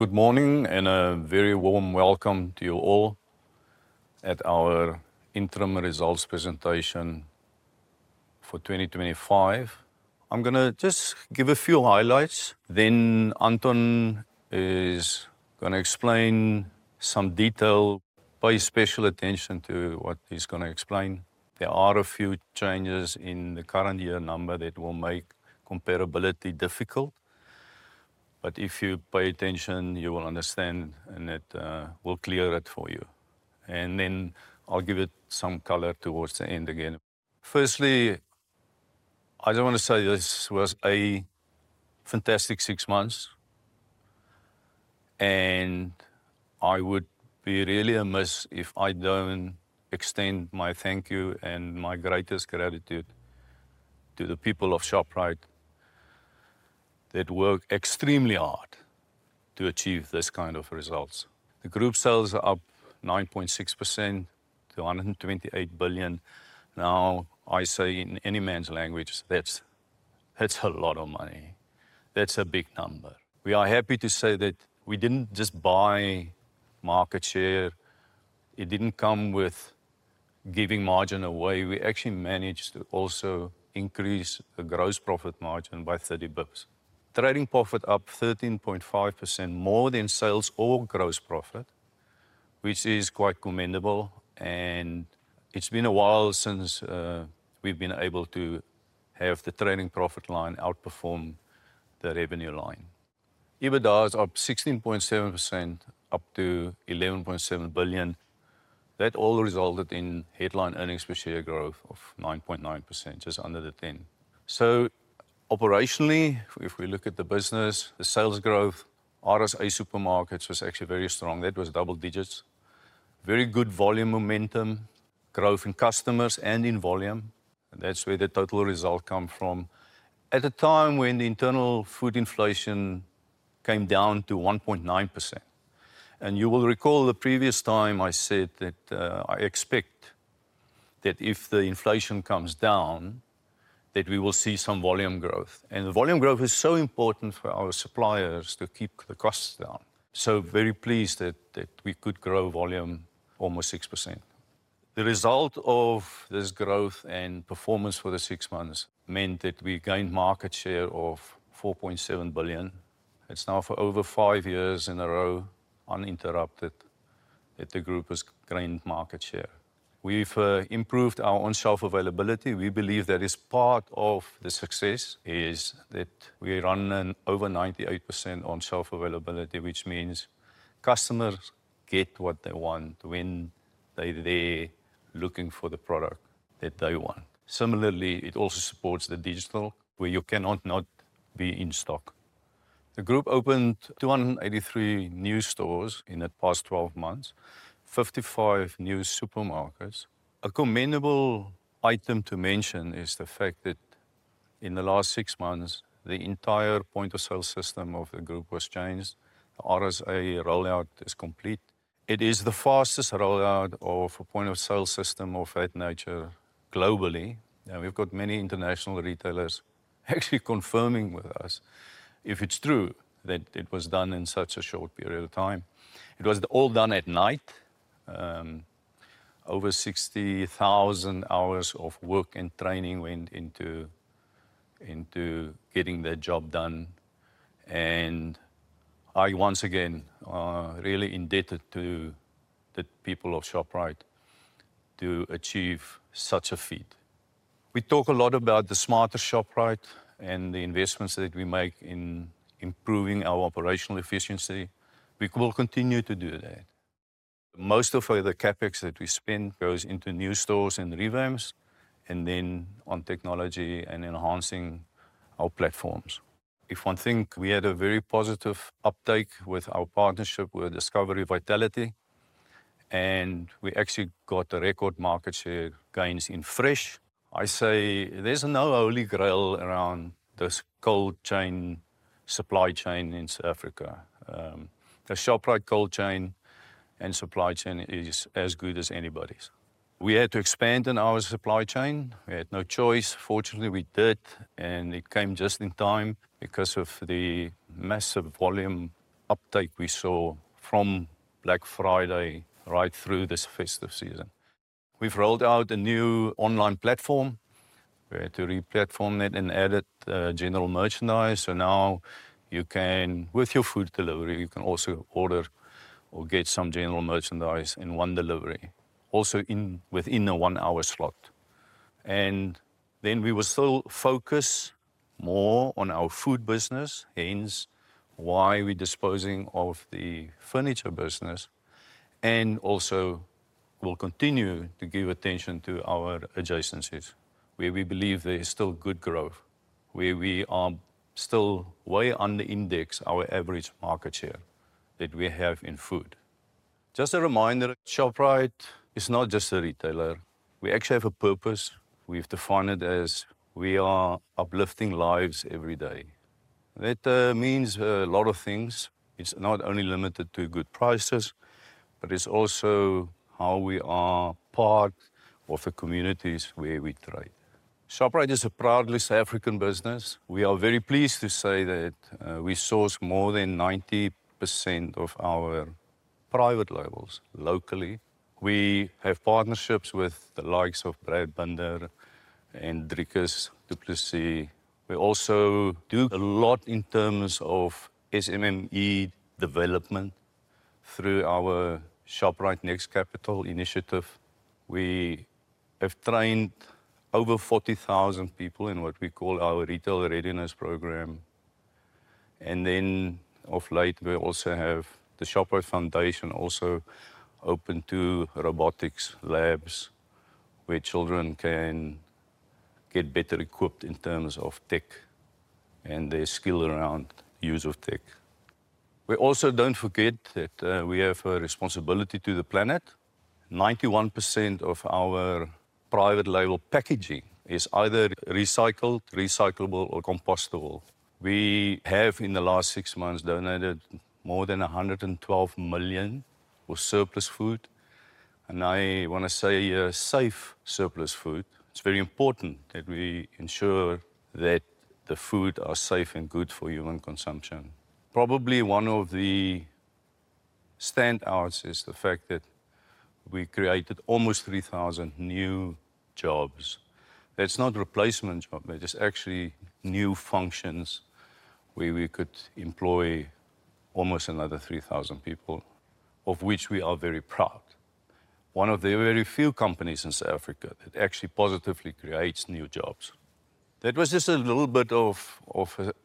Good morning and a very warm welcome to you all at our Interim Results Presentation for 2025. I'm going to just give a few highlights. Then Anton is going to explain some detail. Pay special attention to what he's going to explain. There are a few changes in the current year number that will make comparability difficult, but if you pay attention, you will understand and it will clear it for you, and then I'll give it some color towards the end again. Firstly, I don't want to say this was a fantastic six months, and I would be really amiss if I don't extend my thank you and my greatest gratitude to the people of Shoprite that work extremely hard to achieve this kind of results. The group sales are up 9.6% to 128 billion. Now, I say in any man's language, that's a lot of money. That's a big number. We are happy to say that we didn't just buy market share. It didn't come with giving margin away. We actually managed to also increase the gross profit margin by 30 basis points. Trading profit up 13.5%, more than sales or gross profit, which is quite commendable, and it's been a while since we've been able to have the trading profit line outperform the revenue line. EBITDA's up 16.7%, up to 11.7 billion. That all resulted in headline earnings per share growth of 9.9%, just under the 10%. So operationally, if we look at the business, the sales growth, RSA Supermarkets was actually very strong. That was double digits. Very good volume momentum, growth in customers and in volume. That's where the total result comes from. At a time when the internal food inflation came down to 1.9%. You will recall the previous time I said that I expect that if the inflation comes down, that we will see some volume growth. The volume growth is so important for our suppliers to keep the costs down. Very pleased that we could grow volume almost 6%. The result of this growth and performance for the six months meant that we gained market share of 4.7 billion. It's now for over five years in a row, uninterrupted, that the group has gained market share. We've improved our on-shelf availability. We believe that is part of the success, is that we run an over 98% on-shelf availability, which means customers get what they want when they're there looking for the product that they want. Similarly, it also supports the digital, where you cannot not be in stock. The group opened 283 new stores in the past 12 months, 55 new supermarkets. A commendable item to mention is the fact that in the last six months, the entire point of sale system of the group was changed. The RSA rollout is complete. It is the fastest rollout of a point of sale system of that nature globally, and we've got many international retailers actually confirming with us if it's true that it was done in such a short period of time. It was all done at night. Over 60,000 hours of work and training went into getting that job done, and I once again are really indebted to the people of Shoprite to achieve such a feat. We talk a lot about the smarter Shoprite and the investments that we make in improving our operational efficiency. We will continue to do that. Most of the CapEx that we spend goes into new stores and revamps, and then on technology and enhancing our platforms. If one thing, we had a very positive uptake with our partnership with Discovery Vitality, and we actually got the record market share gains in fresh. I say there's no holy grail around this cold chain, supply chain in South Africa. The Shoprite cold chain and supply chain is as good as anybody's. We had to expand in our supply chain. We had no choice. Fortunately, we did, and it came just in time because of the massive volume uptake we saw from Black Friday right through this festive season. We've rolled out a new online platform. We had to replatform it and added general merchandise. So now you can, with your food delivery, you can also order or get some general merchandise in one delivery, also within a one-hour slot. And then we will still focus more on our food business, hence why we are disposing of the furniture business, and also will continue to give attention to our adjacencies, where we believe there is still good growth, where we are still way under index our average market share that we have in food. Just a reminder, Shoprite is not just a retailer. We actually have a purpose. We've defined it as we are uplifting lives every day. That means a lot of things. It's not only limited to good prices, but it's also how we are part of the communities where we trade. Shoprite is a proudly South African business. We are very pleased to say that we source more than 90% of our private labels locally. We have partnerships with the likes of Brad Binder and Dricus du Plessis. We also do a lot in terms of SMME development through our Shoprite Next Capital initiative. We have trained over 40,000 people in what we call our Retail Readiness Program. And then of late, we also have the Shoprite Foundation also open to robotics labs, where children can get better equipped in terms of tech and their skill around the use of tech. We also don't forget that we have a responsibility to the planet. 91% of our private label packaging is either recycled, recyclable, or compostable. We have, in the last six months, donated more than 112 million of surplus food. And I want to say safe surplus food. It's very important that we ensure that the food is safe and good for human consumption. Probably one of the standouts is the fact that we created almost 3,000 new jobs. That's not replacement jobs. That is actually new functions where we could employ almost another 3,000 people, of which we are very proud. One of the very few companies in South Africa that actually positively creates new jobs. That was just a little bit of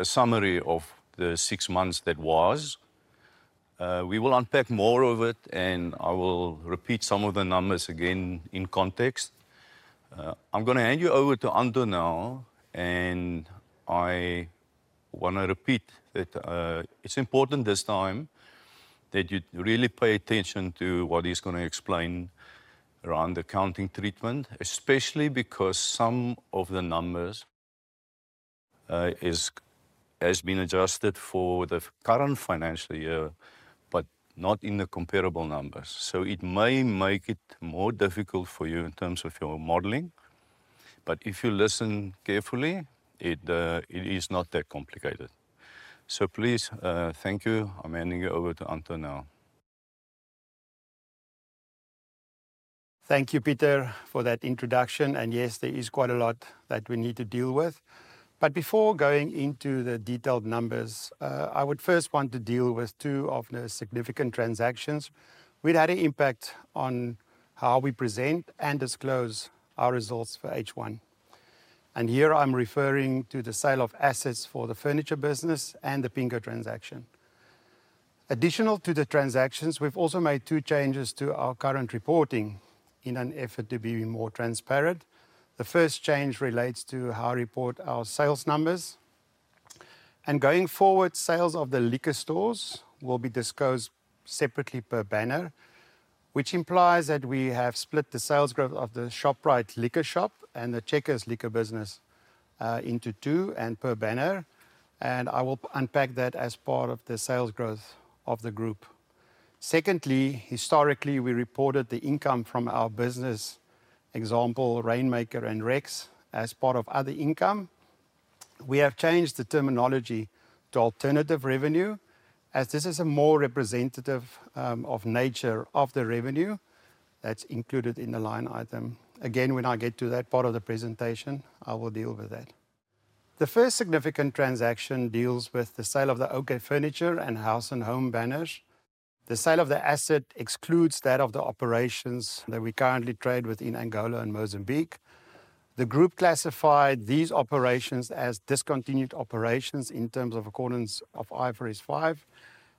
a summary of the six months that was. We will unpack more of it, and I will repeat some of the numbers again in context. I'm going to hand you over to Anton now, and I want to repeat that it's important this time that you really pay attention to what he's going to explain around the accounting treatment, especially because some of the numbers have been adjusted for the current financial year, but not in the comparable numbers. So it may make it more difficult for you in terms of your modeling, but if you listen carefully, it is not that complicated. So please, thank you. I'm handing you over to Anton now. Thank you, Pieter, for that introduction. And yes, there is quite a lot that we need to deal with. But before going into the detailed numbers, I would first want to deal with two of the significant transactions which had an impact on how we present and disclose our results for H1. And here I'm referring to the sale of assets for the furniture business and the Pingo transaction. Additional to the transactions, we've also made two changes to our current reporting in an effort to be more transparent. The first change relates to how we report our sales numbers. And going forward, sales of the liquor stores will be disclosed separately per banner, which implies that we have split the sales growth of the Shoprite LiquorShop and the Checkers Liquor business into two and per banner. I will unpack that as part of the sales growth of the group. Secondly, historically, we reported the income from our businesses, for example, Rainmaker and REX, as part of other income. We have changed the terminology to alternative revenue, as this is a more representative nature of the revenue that's included in the line item. Again, when I get to that part of the presentation, I will deal with that. The first significant transaction deals with the sale of the OK Furniture and House and Home banners. The sale of the asset excludes that of the operations that we currently trade within Angola and Mozambique. The group classified these operations as discontinued operations in accordance with IFRS 5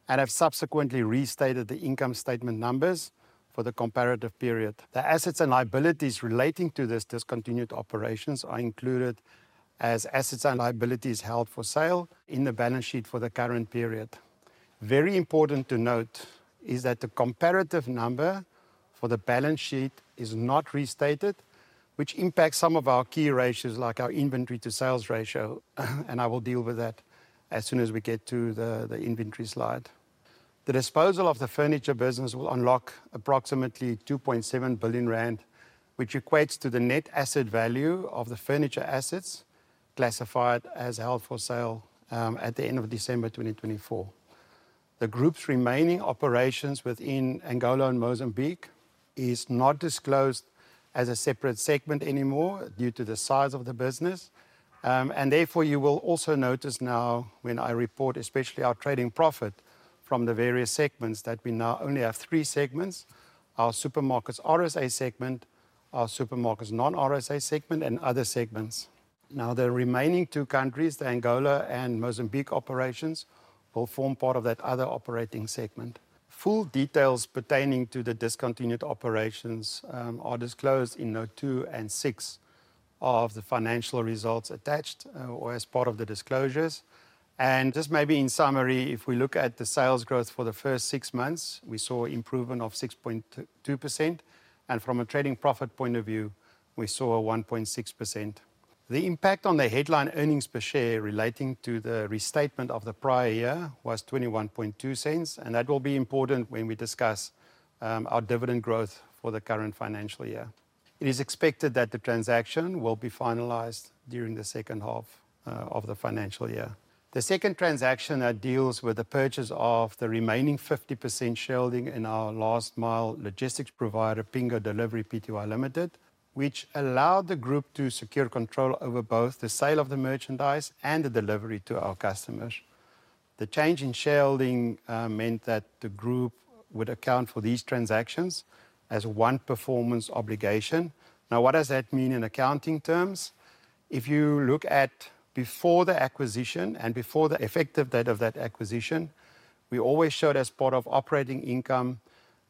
and have subsequently restated the income statement numbers for the comparative period. The assets and liabilities relating to these discontinued operations are included as assets and liabilities held for sale in the balance sheet for the current period. Very important to note is that the comparative number for the balance sheet is not restated, which impacts some of our key ratios, like our inventory to sales ratio, and I will deal with that as soon as we get to the inventory slide. The disposal of the furniture business will unlock approximately 2.7 billion rand, which equates to the net asset value of the furniture assets classified as held for sale at the end of December 2024. The group's remaining operations within Angola and Mozambique are not disclosed as a separate segment anymore due to the size of the business. Therefore, you will also notice now when I report, especially our trading profit from the various segments, that we now only have three segments: our supermarkets RSA segment, our supermarkets non-RSA segment, and other segments. Now, the remaining two countries, the Angola and Mozambique operations, will form part of that other operating segment. Full details pertaining to the discontinued operations are disclosed in note two and six of the financial results attached or as part of the disclosures. Just maybe in summary, if we look at the sales growth for the first six months, we saw an improvement of 6.2%. From a trading profit point of view, we saw a 1.6%. The impact on the headline earnings per share relating to the restatement of the prior year was 0.212, and that will be important when we discuss our dividend growth for the current financial year. It is expected that the transaction will be finalized during the second half of the financial year. The second transaction deals with the purchase of the remaining 50% shareholding in our last mile logistics provider, Pingo Delivery (Pty) Ltd, which allowed the group to secure control over both the sale of the merchandise and the delivery to our customers. The change in shareholding meant that the group would account for these transactions as one performance obligation. Now, what does that mean in accounting terms? If you look at before the acquisition and before the effective date of that acquisition, we always showed as part of operating income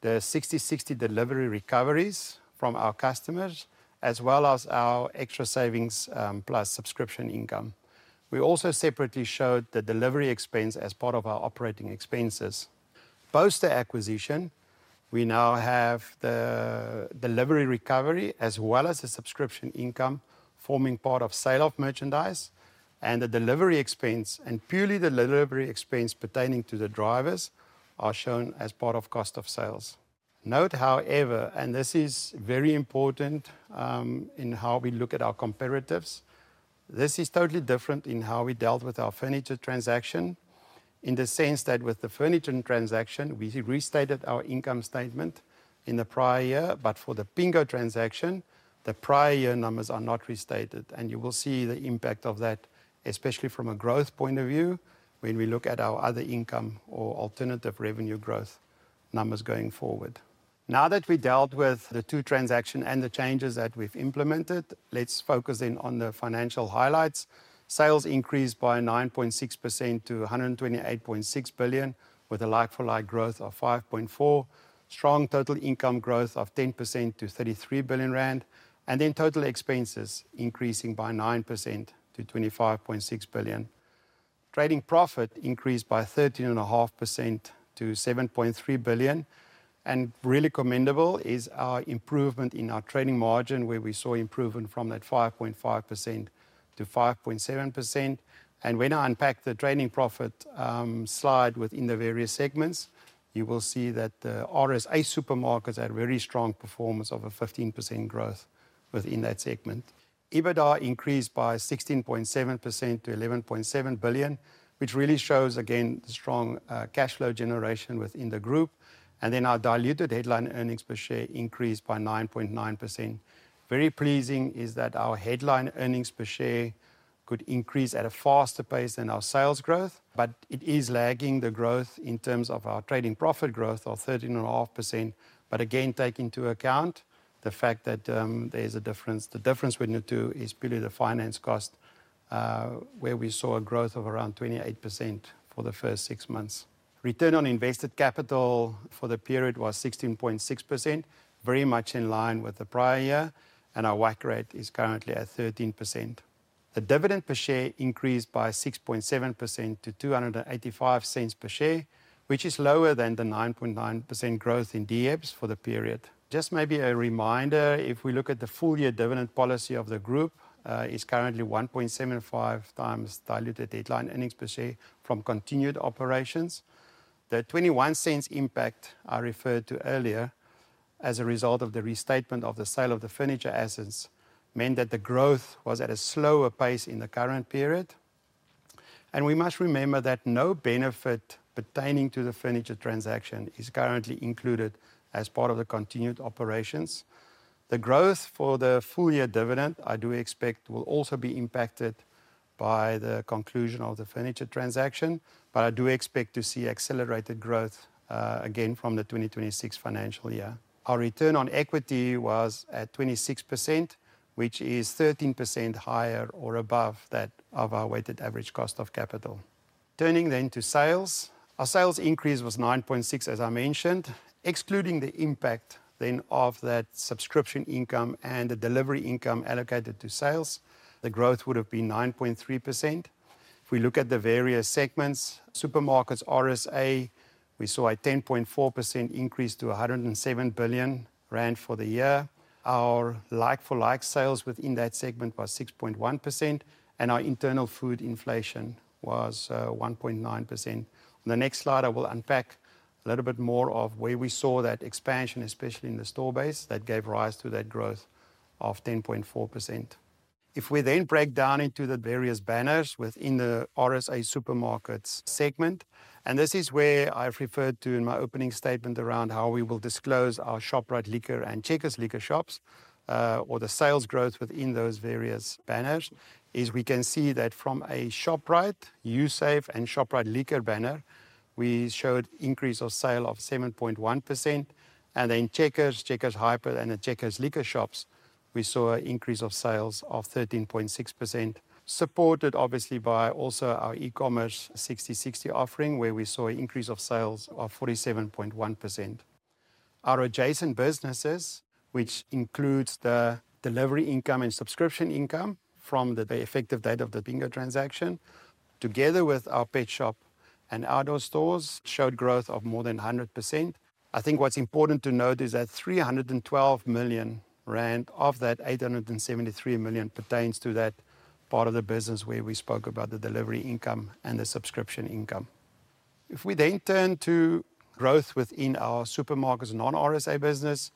the Sixty60 delivery recoveries from our customers, as well as our Xtra Savings Plus subscription income. We also separately showed the delivery expense as part of our operating expenses. Post the acquisition, we now have the delivery recovery as well as the subscription income forming part of sale of merchandise, and the delivery expense and purely the delivery expense pertaining to the drivers are shown as part of cost of sales. Note, however, and this is very important in how we look at our comparatives, this is totally different in how we dealt with our furniture transaction in the sense that with the furniture transaction, we restated our income statement in the prior year, but for the Pingo transaction, the prior year numbers are not restated. And you will see the impact of that, especially from a growth point of view, when we look at our other income or alternative revenue growth numbers going forward. Now that we dealt with the two transactions and the changes that we've implemented, let's focus in on the financial highlights. Sales increased by 9.6% to 128.6 billion, with a like-for-like growth of 5.4%, strong total income growth of 10% to 33 billion rand, and then total expenses increasing by 9% to 25.6 billion. Trading profit increased by 13.5% to 7.3 billion, and really commendable is our improvement in our trading margin, where we saw improvement from that 5.5% to 5.7%, and when I unpack the trading profit slide within the various segments, you will see that the RSA supermarkets had a very strong performance of a 15% growth within that segment. EBITDA increased by 16.7% to 11.7 billion, which really shows, again, the strong cash flow generation within the group, and then our diluted headline earnings per share increased by 9.9%. Very pleasing is that our headline earnings per share could increase at a faster pace than our sales growth, but it is lagging the growth in terms of our trading profit growth of 13.5%. But again, taking into account the fact that there's a difference, the difference we need to is purely the finance cost, where we saw a growth of around 28% for the first six months. Return on invested capital for the period was 16.6%, very much in line with the prior year, and our WACC rate is currently at 13%. The dividend per share increased by 6.7% to 2.85 per share, which is lower than the 9.9% growth in DHEPS for the period. Just maybe a reminder, if we look at the full year dividend policy of the group, it's currently 1.75 times diluted headline earnings per share from continued operations. The 0.21 impact I referred to earlier as a result of the restatement of the sale of the furniture assets meant that the growth was at a slower pace in the current period, and we must remember that no benefit pertaining to the furniture transaction is currently included as part of the continued operations. The growth for the full year dividend, I do expect, will also be impacted by the conclusion of the furniture transaction, but I do expect to see accelerated growth again from the 2026 financial year. Our return on equity was at 26%, which is 13% higher or above that of our weighted average cost of capital. Turning then to sales, our sales increase was 9.6%, as I mentioned. Excluding the impact then of that subscription income and the delivery income allocated to sales, the growth would have been 9.3%. If we look at the various segments, supermarkets RSA, we saw a 10.4% increase to 107 billion rand for the year. Our like-for-like sales within that segment was 6.1%, and our internal food inflation was 1.9%. On the next slide, I will unpack a little bit more of where we saw that expansion, especially in the store base, that gave rise to that growth of 10.4%. If we then break down into the various banners within the RSA supermarkets segment, and this is where I've referred to in my opening statement around how we will disclose our Shoprite Liquor and Checkers LiquorShops or the sales growth within those various banners, is we can see that from a Shoprite, Usave, and Shoprite Liquor banner, we showed an increase of sale of 7.1%. Then Checkers, Checkers Hyper, and the Checkers LiquorShops, we saw an increase of sales of 13.6%, supported obviously by also our e-commerce Sixty60 offering, where we saw an increase of sales of 47.1%. Our adjacent businesses, which includes the delivery income and subscription income from the effective date of the Pingo transaction, together with our pet shop and outdoor stores, showed growth of more than 100%. I think what's important to note is that 312 million rand of that 873 million pertains to that part of the business where we spoke about the delivery income and the subscription income. If we then turn to growth within our supermarkets non-RSA business,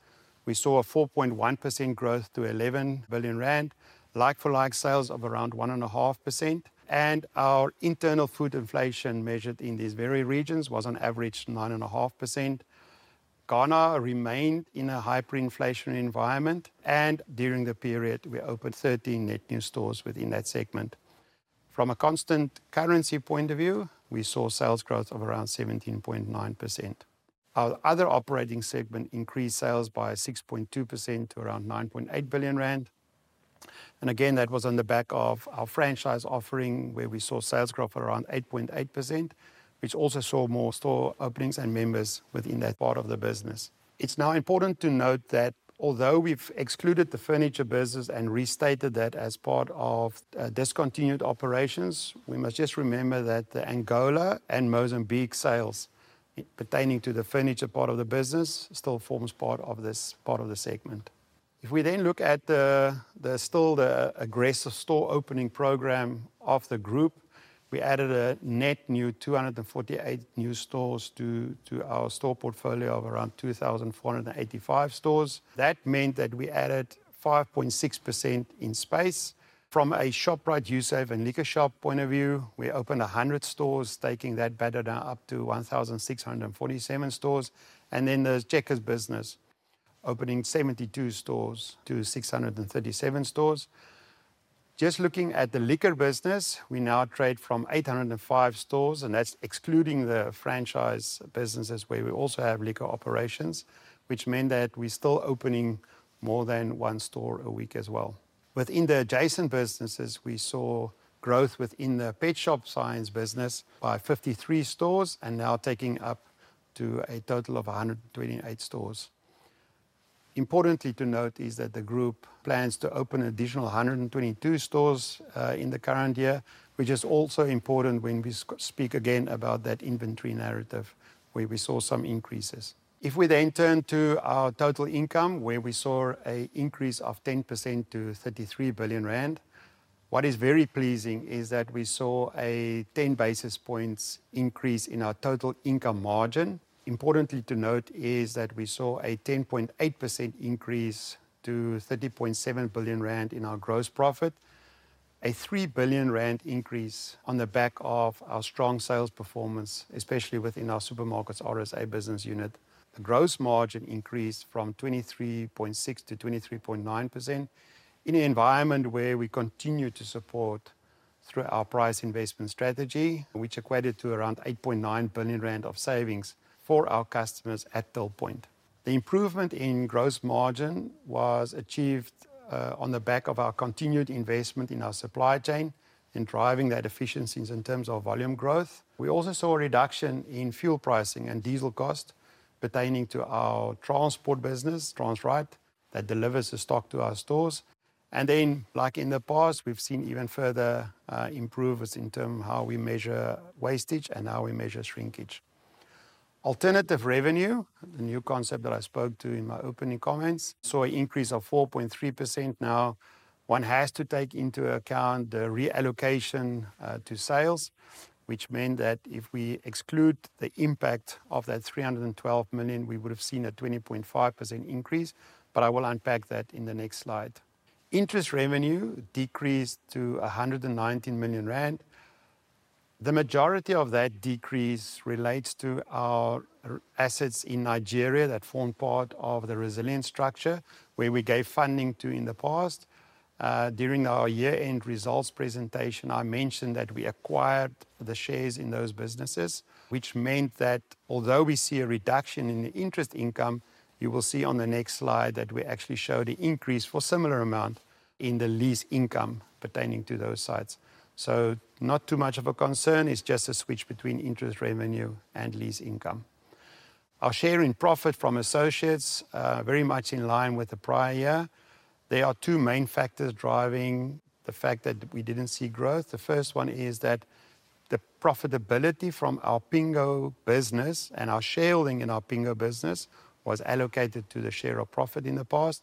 we saw a 4.1% growth to 11 billion rand, like-for-like sales of around 1.5%, and our internal food inflation measured in these various regions was on average 9.5%. Ghana remained in a hyperinflationary environment, and during the period, we opened 13 net new stores within that segment. From a constant currency point of view, we saw sales growth of around 17.9%. Our other operating segment increased sales by 6.2% to around 9.8 billion rand. And again, that was on the back of our franchise offering, where we saw sales growth of around 8.8%, which also saw more store openings and members within that part of the business. It's now important to note that although we've excluded the furniture business and restated that as part of discontinued operations, we must just remember that the Angola and Mozambique sales pertaining to the furniture part of the business still forms part of this part of the segment. If we then look at the still aggressive store opening program of the group, we added a net 248 new stores to our store portfolio of around 2,485 stores. That meant that we added 5.6% in space. From a Shoprite, Usave, and LiquorShop point of view, we opened 100 stores, taking that banner up to 1,647 stores, and then the Checkers business opening 72 stores to 637 stores. Just looking at the liquor business, we now trade from 805 stores, and that's excluding the franchise businesses where we also have liquor operations, which meant that we're still opening more than one store a week as well. Within the adjacent businesses, we saw growth within the Petshop Science business by 53 stores and now taking up to a total of 128 stores. Importantly to note is that the group plans to open an additional 122 stores in the current year, which is also important when we speak again about that inventory narrative where we saw some increases. If we then turn to our total income, where we saw an increase of 10% to 33 billion rand, what is very pleasing is that we saw a 10 basis points increase in our total income margin. Importantly to note is that we saw a 10.8% increase to 30.7 billion rand in our gross profit, a 3 billion rand increase on the back of our strong sales performance, especially within our supermarkets RSA business unit. The gross margin increased from 23.6%-23.9% in an environment where we continue to support through our price investment strategy, which equated to around 8.9 billion rand of savings for our customers at till point. The improvement in gross margin was achieved on the back of our continued investment in our supply chain and driving that efficiency in terms of volume growth. We also saw a reduction in fuel pricing and diesel cost pertaining to our transport business, Transrite, that delivers the stock to our stores. And then, like in the past, we've seen even further improvements in terms of how we measure wastage and how we measure shrinkage. Alternative revenue, the new concept that I spoke to in my opening comments, saw an increase of 4.3%. Now, one has to take into account the reallocation to sales, which meant that if we exclude the impact of that 312 million, we would have seen a 20.5% increase, but I will unpack that in the next slide. Interest revenue decreased to 119 million rand. The majority of that decrease relates to our assets in Nigeria that formed part of the Resilient structure where we gave funding to in the past. During our year-end results presentation, I mentioned that we acquired the shares in those businesses, which meant that although we see a reduction in the interest income, you will see on the next slide that we actually showed an increase for a similar amount in the lease income pertaining to those sites. So, not too much of a concern, it's just a switch between interest revenue and lease income. Our share in profit from associates very much in line with the prior year. There are two main factors driving the fact that we didn't see growth. The first one is that the profitability from our Pingo business and our shareholding in our Pingo business was allocated to the share of profit in the past.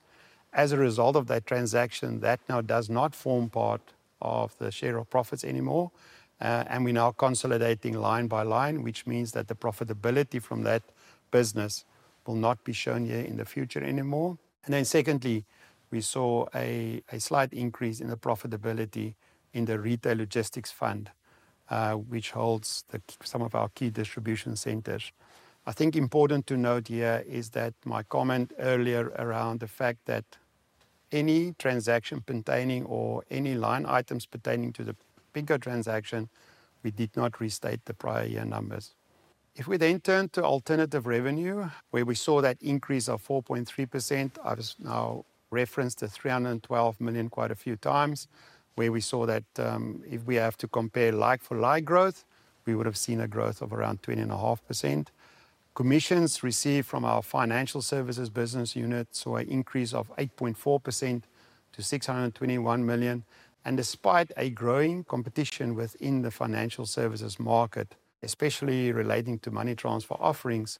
As a result of that transaction, that now does not form part of the share of profits anymore, and we're now consolidating line by line, which means that the profitability from that business will not be shown here in the future anymore, and then secondly, we saw a slight increase in the profitability in the Retail Logistics Fund, which holds some of our key distribution centers. I think important to note here is that my comment earlier around the fact that any transaction pertaining or any line items pertaining to the Pingo transaction, we did not restate the prior year numbers. If we then turn to alternative revenue, where we saw that increase of 4.3%, I've now referenced the 312 million quite a few times, where we saw that if we have to compare like-for-like growth, we would have seen a growth of around 20.5%. Commissions received from our financial services business unit saw an increase of 8.4% to 621 million. Despite a growing competition within the financial services market, especially relating to money transfer offerings,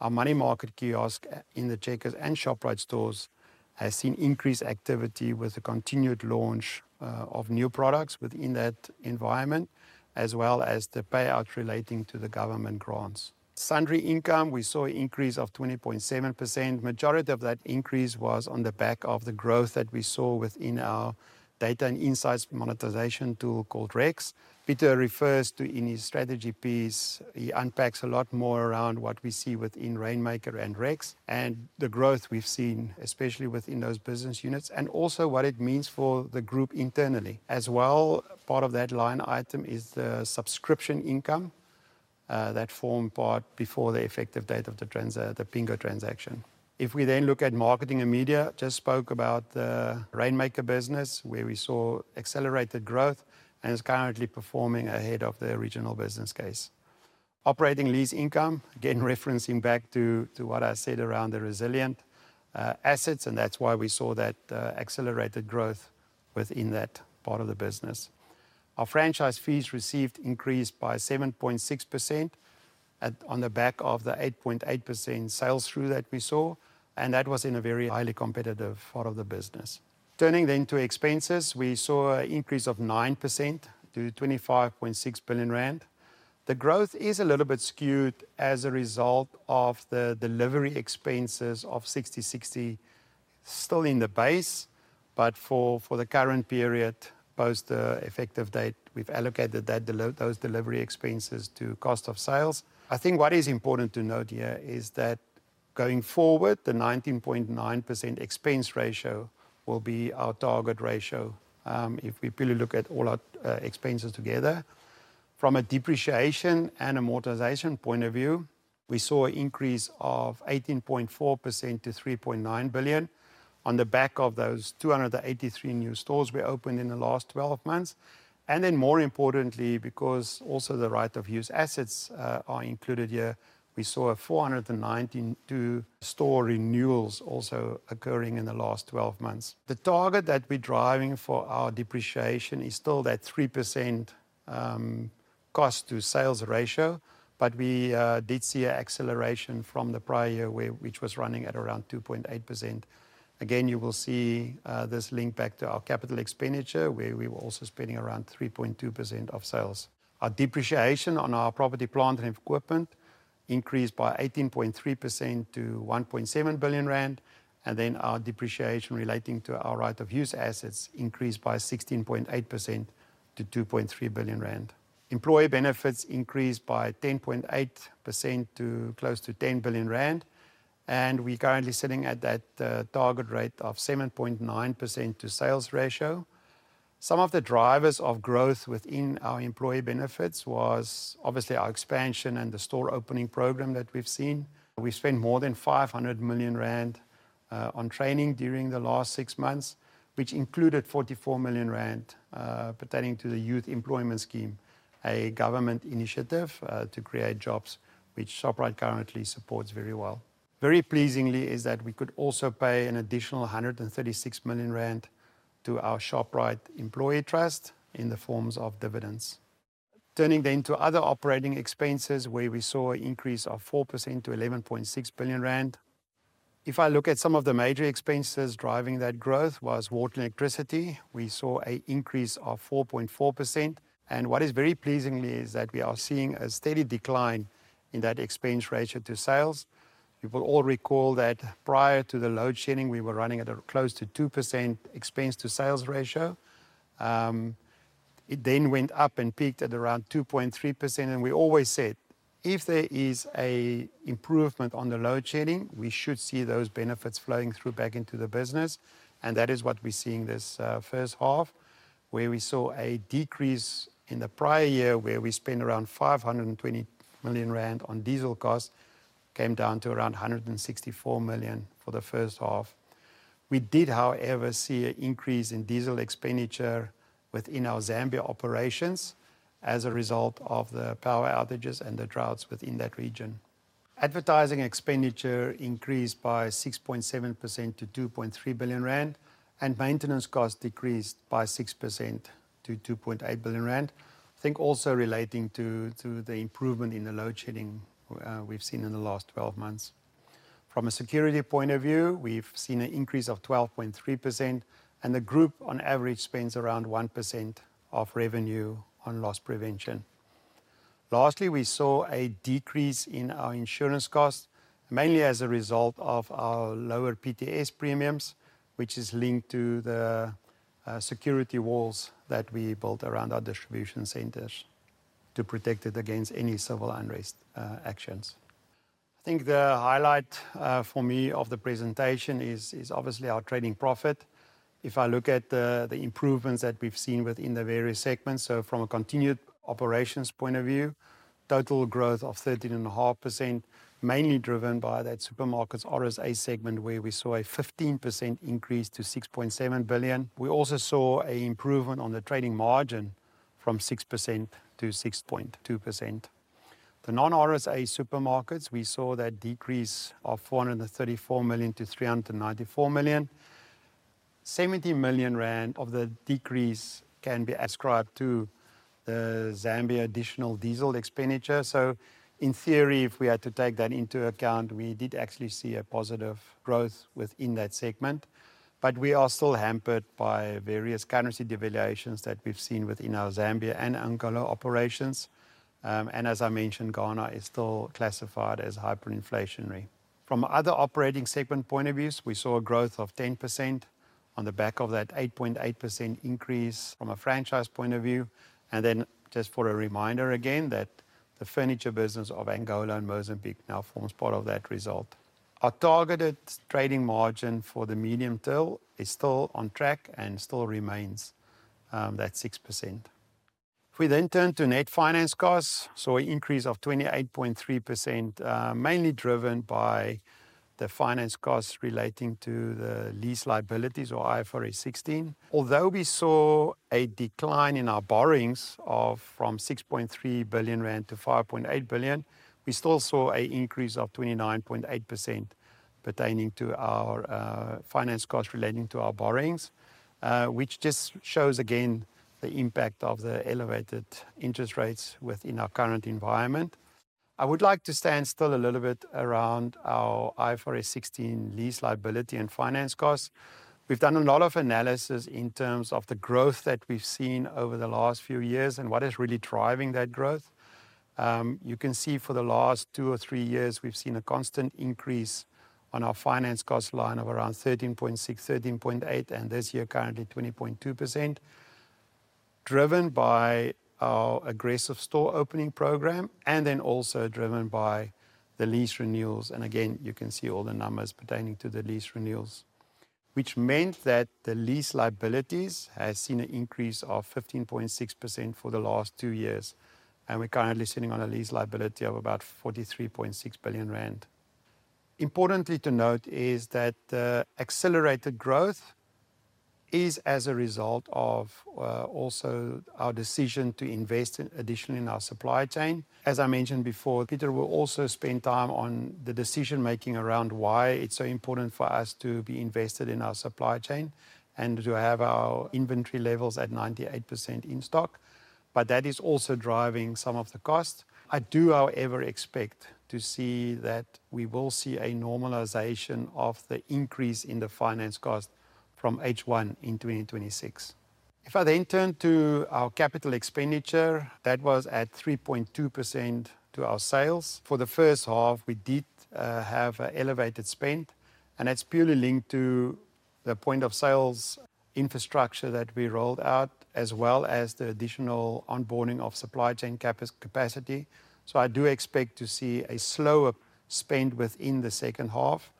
our Money Market kiosk in the Checkers and Shoprite stores has seen increased activity with the continued launch of new products within that environment, as well as the payouts relating to the government grants. Sundry income, we saw an increase of 20.7%. The majority of that increase was on the back of the growth that we saw within our data and insights monetization tool called REX. Pieter refers to in his strategy piece, he unpacks a lot more around what we see within Rainmaker and REX and the growth we've seen, especially within those business units and also what it means for the group internally. As well, part of that line item is the subscription income that formed part before the effective date of the Pingo transaction. If we then look at marketing and media, I just spoke about the Rainmaker business, where we saw accelerated growth and is currently performing ahead of the regional business case. Operating lease income, again referencing back to what I said around the Resilient assets, and that's why we saw that accelerated growth within that part of the business. Our franchise fees received increased by 7.6% on the back of the 8.8% sales through that we saw, and that was in a very highly competitive part of the business. Turning then to expenses, we saw an increase of 9% to 25.6 billion rand. The growth is a little bit skewed as a result of the delivery expenses of Sixty60 still in the base, but for the current period, post the effective date, we've allocated those delivery expenses to cost of sales. I think what is important to note here is that going forward, the 19.9% expense ratio will be our target ratio if we purely look at all our expenses together. From a depreciation and amortization point of view, we saw an increase of 18.4% to 3.9 billion on the back of those 283 new stores we opened in the last 12 months, and then more importantly, because also the right-of-use assets are included here, we saw 492 store renewals also occurring in the last 12 months. The target that we're driving for our depreciation is still that 3% cost to sales ratio, but we did see an acceleration from the prior year, which was running at around 2.8%. Again, you will see this link back to our capital expenditure, where we were also spending around 3.2% of sales. Our depreciation on our property plant and equipment increased by 18.3% to 1.7 billion rand, and then our depreciation relating to our right-of-use assets increased by 16.8% to 2.3 billion rand. Employee benefits increased by 10.8% to close to 10 billion rand, and we're currently sitting at that target rate of 7.9% to sales ratio. Some of the drivers of growth within our employee benefits was obviously our expansion and the store opening program that we've seen. We spent more than 500 million rand on training during the last six months, which included 44 million rand pertaining to the Youth Employment Scheme, a government initiative to create jobs, which Shoprite currently supports very well. Very pleasingly is that we could also pay an additional 136 million rand to our Shoprite Employee Trust in the forms of dividends. Turning then to other operating expenses, where we saw an increase of 4% to 11.6 billion rand. If I look at some of the major expenses driving that growth was water and electricity. We saw an increase of 4.4%, and what is very pleasingly is that we are seeing a steady decline in that expense ratio to sales. You will all recall that prior to the load shedding, we were running at a close to 2% expense-to-sales ratio. It then went up and peaked at around 2.3%, and we always said if there is an improvement on the load shedding, we should see those benefits flowing through back into the business, and that is what we're seeing this first half, where we saw a decrease in the prior year, where we spent around 520 million rand on diesel cost, came down to around 164 million for the first half. We did, however, see an increase in diesel expenditure within our Zambia operations as a result of the power outages and the droughts within that region. Advertising expenditure increased by 6.7% to 2.3 billion rand, and maintenance costs decreased by 6% to 2.8 billion rand, I think also relating to the improvement in the load shedding we've seen in the last 12 months. From a security point of view, we've seen an increase of 12.3%, and the group on average spends around 1% of revenue on loss prevention. Lastly, we saw a decrease in our insurance costs, mainly as a result of our lower PTS premiums, which is linked to the security walls that we built around our distribution centers to protect it against any civil unrest actions. I think the highlight for me of the presentation is obviously our trading profit. If I look at the improvements that we've seen within the various segments, so from a continued operations point of view, total growth of 13.5%, mainly driven by that supermarkets RSA segment, where we saw a 15% increase to 6.7 billion. We also saw an improvement on the trading margin from 6%-6.2%. The non-RSA supermarkets, we saw that decrease of 434 million to 394 million. 70 million rand of the decrease can be ascribed to the Zambia additional diesel expenditure. In theory, if we had to take that into account, we did actually see a positive growth within that segment, but we are still hampered by various currency devaluations that we've seen within our Zambia and Angola operations. As I mentioned, Ghana is still classified as hyperinflationary. From other operating segment point of views, we saw a growth of 10% on the back of that 8.8% increase from a franchise point of view. Then just for a reminder again that the furniture business of Angola and Mozambique now forms part of that result. Our targeted trading margin for the medium term is still on track and still remains that 6%. If we then turn to net finance costs. We saw an increase of 28.3%, mainly driven by the finance costs relating to the lease liabilities or IFRS 16. Although we saw a decline in our borrowings from 6.3 billion-5.8 billion rand, we still saw an increase of 29.8% pertaining to our finance costs relating to our borrowings, which just shows again the impact of the elevated interest rates within our current environment. I would like to stand still a little bit around our IFRS 16 lease liability and finance costs. We've done a lot of analysis in terms of the growth that we've seen over the last few years and what is really driving that growth. You can see for the last two or three years, we've seen a constant increase on our finance cost line of around 13.6%, 13.8%, and this year currently 20.2%, driven by our aggressive store opening program and then also driven by the lease renewals, and again, you can see all the numbers pertaining to the lease renewals, which meant that the lease liabilities have seen an increase of 15.6% for the last two years, and we're currently sitting on a lease liability of about 43.6 billion rand. Importantly to note is that the accelerated growth is as a result of also our decision to invest additionally in our supply chain. As I mentioned before, Pieter will also spend time on the decision-making around why it's so important for us to be invested in our supply chain and to have our inventory levels at 98% in stock, but that is also driving some of the costs. I do, however, expect to see that we will see a normalization of the increase in the finance cost from H1 in 2026. If I then turn to our capital expenditure, that was at 3.2% to our sales. For the first half, we did have an elevated spend, and that's purely linked to the point of sales infrastructure that we rolled out, as well as the additional onboarding of supply chain capacity. So I do expect to see a slower spend within the second half.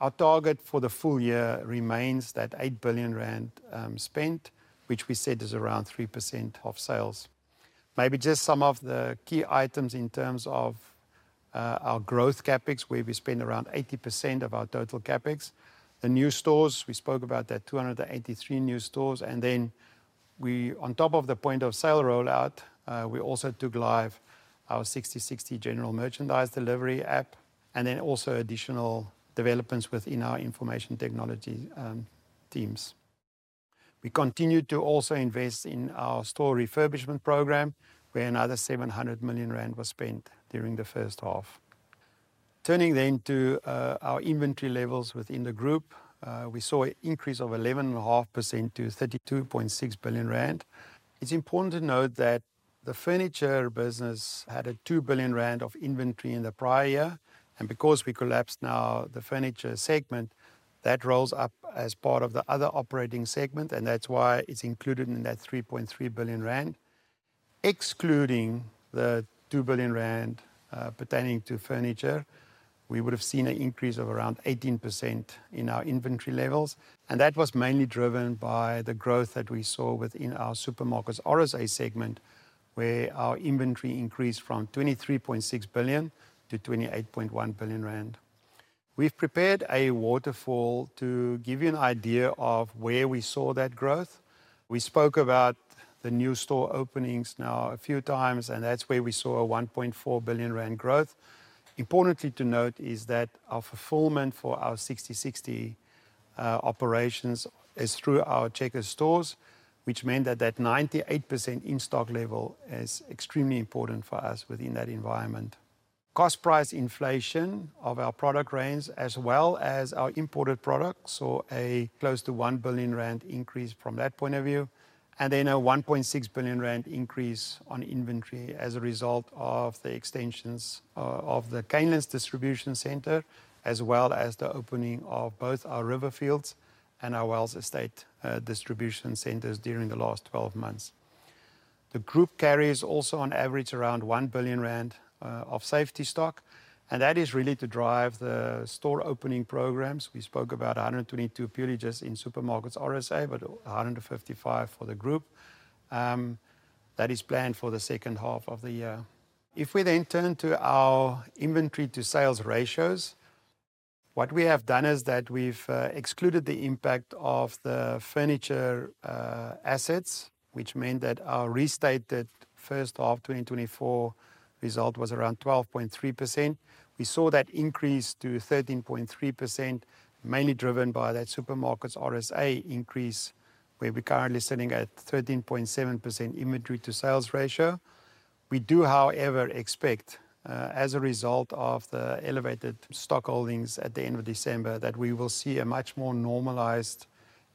Our target for the full year remains that 8 billion rand spend, which we said is around 3% of sales. Maybe just some of the key items in terms of our growth CapEx, where we spend around 80% of our total CapEx. The new stores, we spoke about that, 283 new stores, and then we, on top of the point of sale rollout, we also took live our Sixty60 general merchandise delivery app and then also additional developments within our information technology teams. We continued to also invest in our store refurbishment program, where another 700 million rand was spent during the first half. Turning then to our inventory levels within the group, we saw an increase of 11.5% to 32.6 billion rand. It's important to note that the furniture business had a 2 billion rand of inventory in the prior year, and because we collapsed now the furniture segment, that rolls up as part of the other operating segment, and that's why it's included in that 3.3 billion rand. Excluding the 2 billion rand pertaining to furniture, we would have seen an increase of around 18% in our inventory levels, and that was mainly driven by the growth that we saw within our supermarkets RSA segment, where our inventory increased from 23.6 billion-28.1 billion rand. We've prepared a waterfall to give you an idea of where we saw that growth. We spoke about the new store openings now a few times, and that's where we saw a 1.4 billion rand growth. Importantly to note is that our fulfillment for our Sixty60 operations is through our Checkers stores, which meant that that 98% in stock level is extremely important for us within that environment. Cost price inflation of our product range, as well as our imported products, saw a close to 1 billion rand increase from that point of view, and then a 1.6 billion rand increase on inventory as a result of the extensions of the Canelands Distribution Centre, as well as the opening of both our Riverfields Distribution Centre and our Wells Estate Distribution Centre during the last 12 months. The group carries also on average around 1 billion rand of safety stock, and that is really to drive the store opening programs. We spoke about 122 purely just in supermarkets RSA, but 155 for the group. That is planned for the second half of the year. If we then turn to our inventory to sales ratios, what we have done is that we've excluded the impact of the furniture assets, which meant that our restated first half 2024 result was around 12.3%. We saw that increase to 13.3%, mainly driven by that supermarkets RSA increase, where we're currently sitting at 13.7% inventory to sales ratio. We do, however, expect as a result of the elevated stock holdings at the end of December that we will see a much more normalized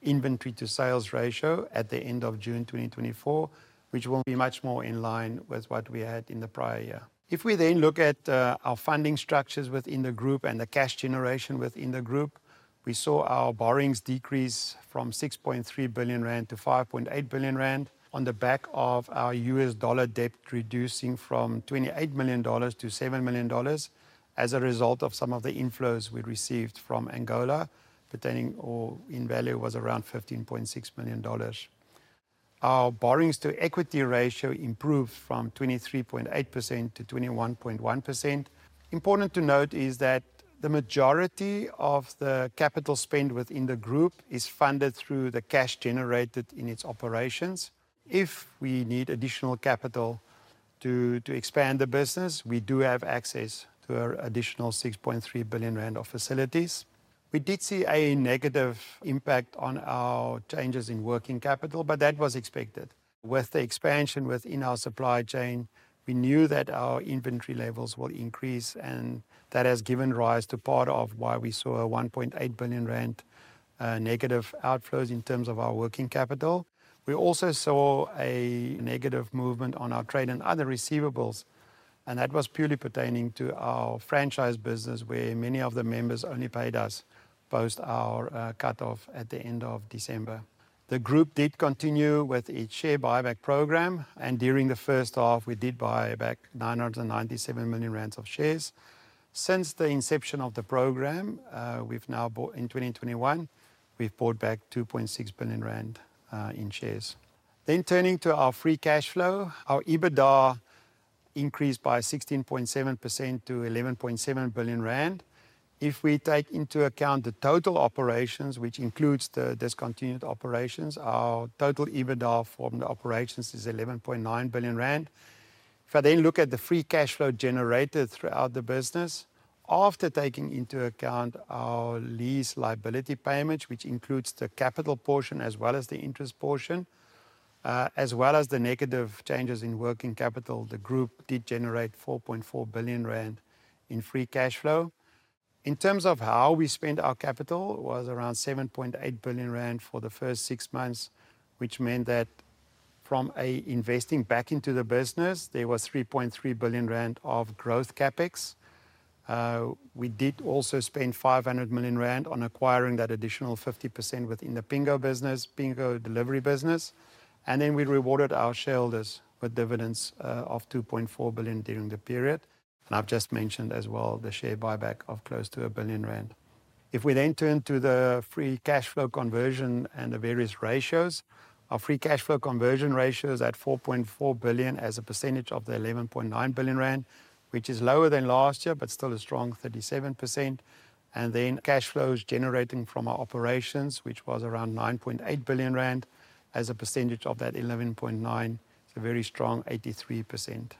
inventory to sales ratio at the end of June 2024, which will be much more in line with what we had in the prior year. If we then look at our funding structures within the group and the cash generation within the group, we saw our borrowings decrease from 6.3 billion rand- 5.8 billion rand on the back of our US dollar debt reducing from $28 million-$7 million as a result of some of the inflows we received from Angola, pertaining or in value was around $15.6 million. Our borrowings to equity ratio improved from 23.8%-21.1%. Important to note is that the majority of the capital spend within the group is funded through the cash generated in its operations. If we need additional capital to expand the business, we do have access to an additional 6.3 billion rand of facilities. We did see a negative impact on our changes in working capital, but that was expected. With the expansion within our supply chain, we knew that our inventory levels will increase, and that has given rise to part of why we saw a 1.8 billion rand negative outflows in terms of our working capital. We also saw a negative movement on our trade and other receivables, and that was purely pertaining to our franchise business, where many of the members only paid us post our cutoff at the end of December. The group did continue with its share buyback program, and during the first half, we did buy back 997 million rand of shares. Since the inception of the program, we've now bought in 2021, we've bought back 2.6 billion rand in shares. Then turning to our free cash flow, our EBITDA increased by 16.7% to 11.7 billion rand. If we take into account the total operations, which includes the discontinued operations, our total EBITDA from the operations is 11.9 billion rand. If I then look at the free cash flow generated throughout the business, after taking into account our lease liability payments, which includes the capital portion as well as the interest portion, as well as the negative changes in working capital, the group did generate 4.4 billion rand in free cash flow. In terms of how we spent our capital, it was around 7.8 billion rand for the first six months, which meant that from investing back into the business, there was 3.3 billion rand of growth CapEx. We did also spend 500 million rand on acquiring that additional 50% within the Pingo business, Pingo delivery business, and then we rewarded our shareholders with dividends of 2.4 billion during the period. And I've just mentioned as well the share buyback of close to 1 billion rand. If we then turn to the free cash flow conversion and the various ratios, our free cash flow conversion ratio is at 4.4 billion as a percentage of the 11.9 billion rand, which is lower than last year, but still a strong 37%. Then cash flows generating from our operations, which was around 9.8 billion rand as a percentage of that 11.9 billion, it's a very strong 83%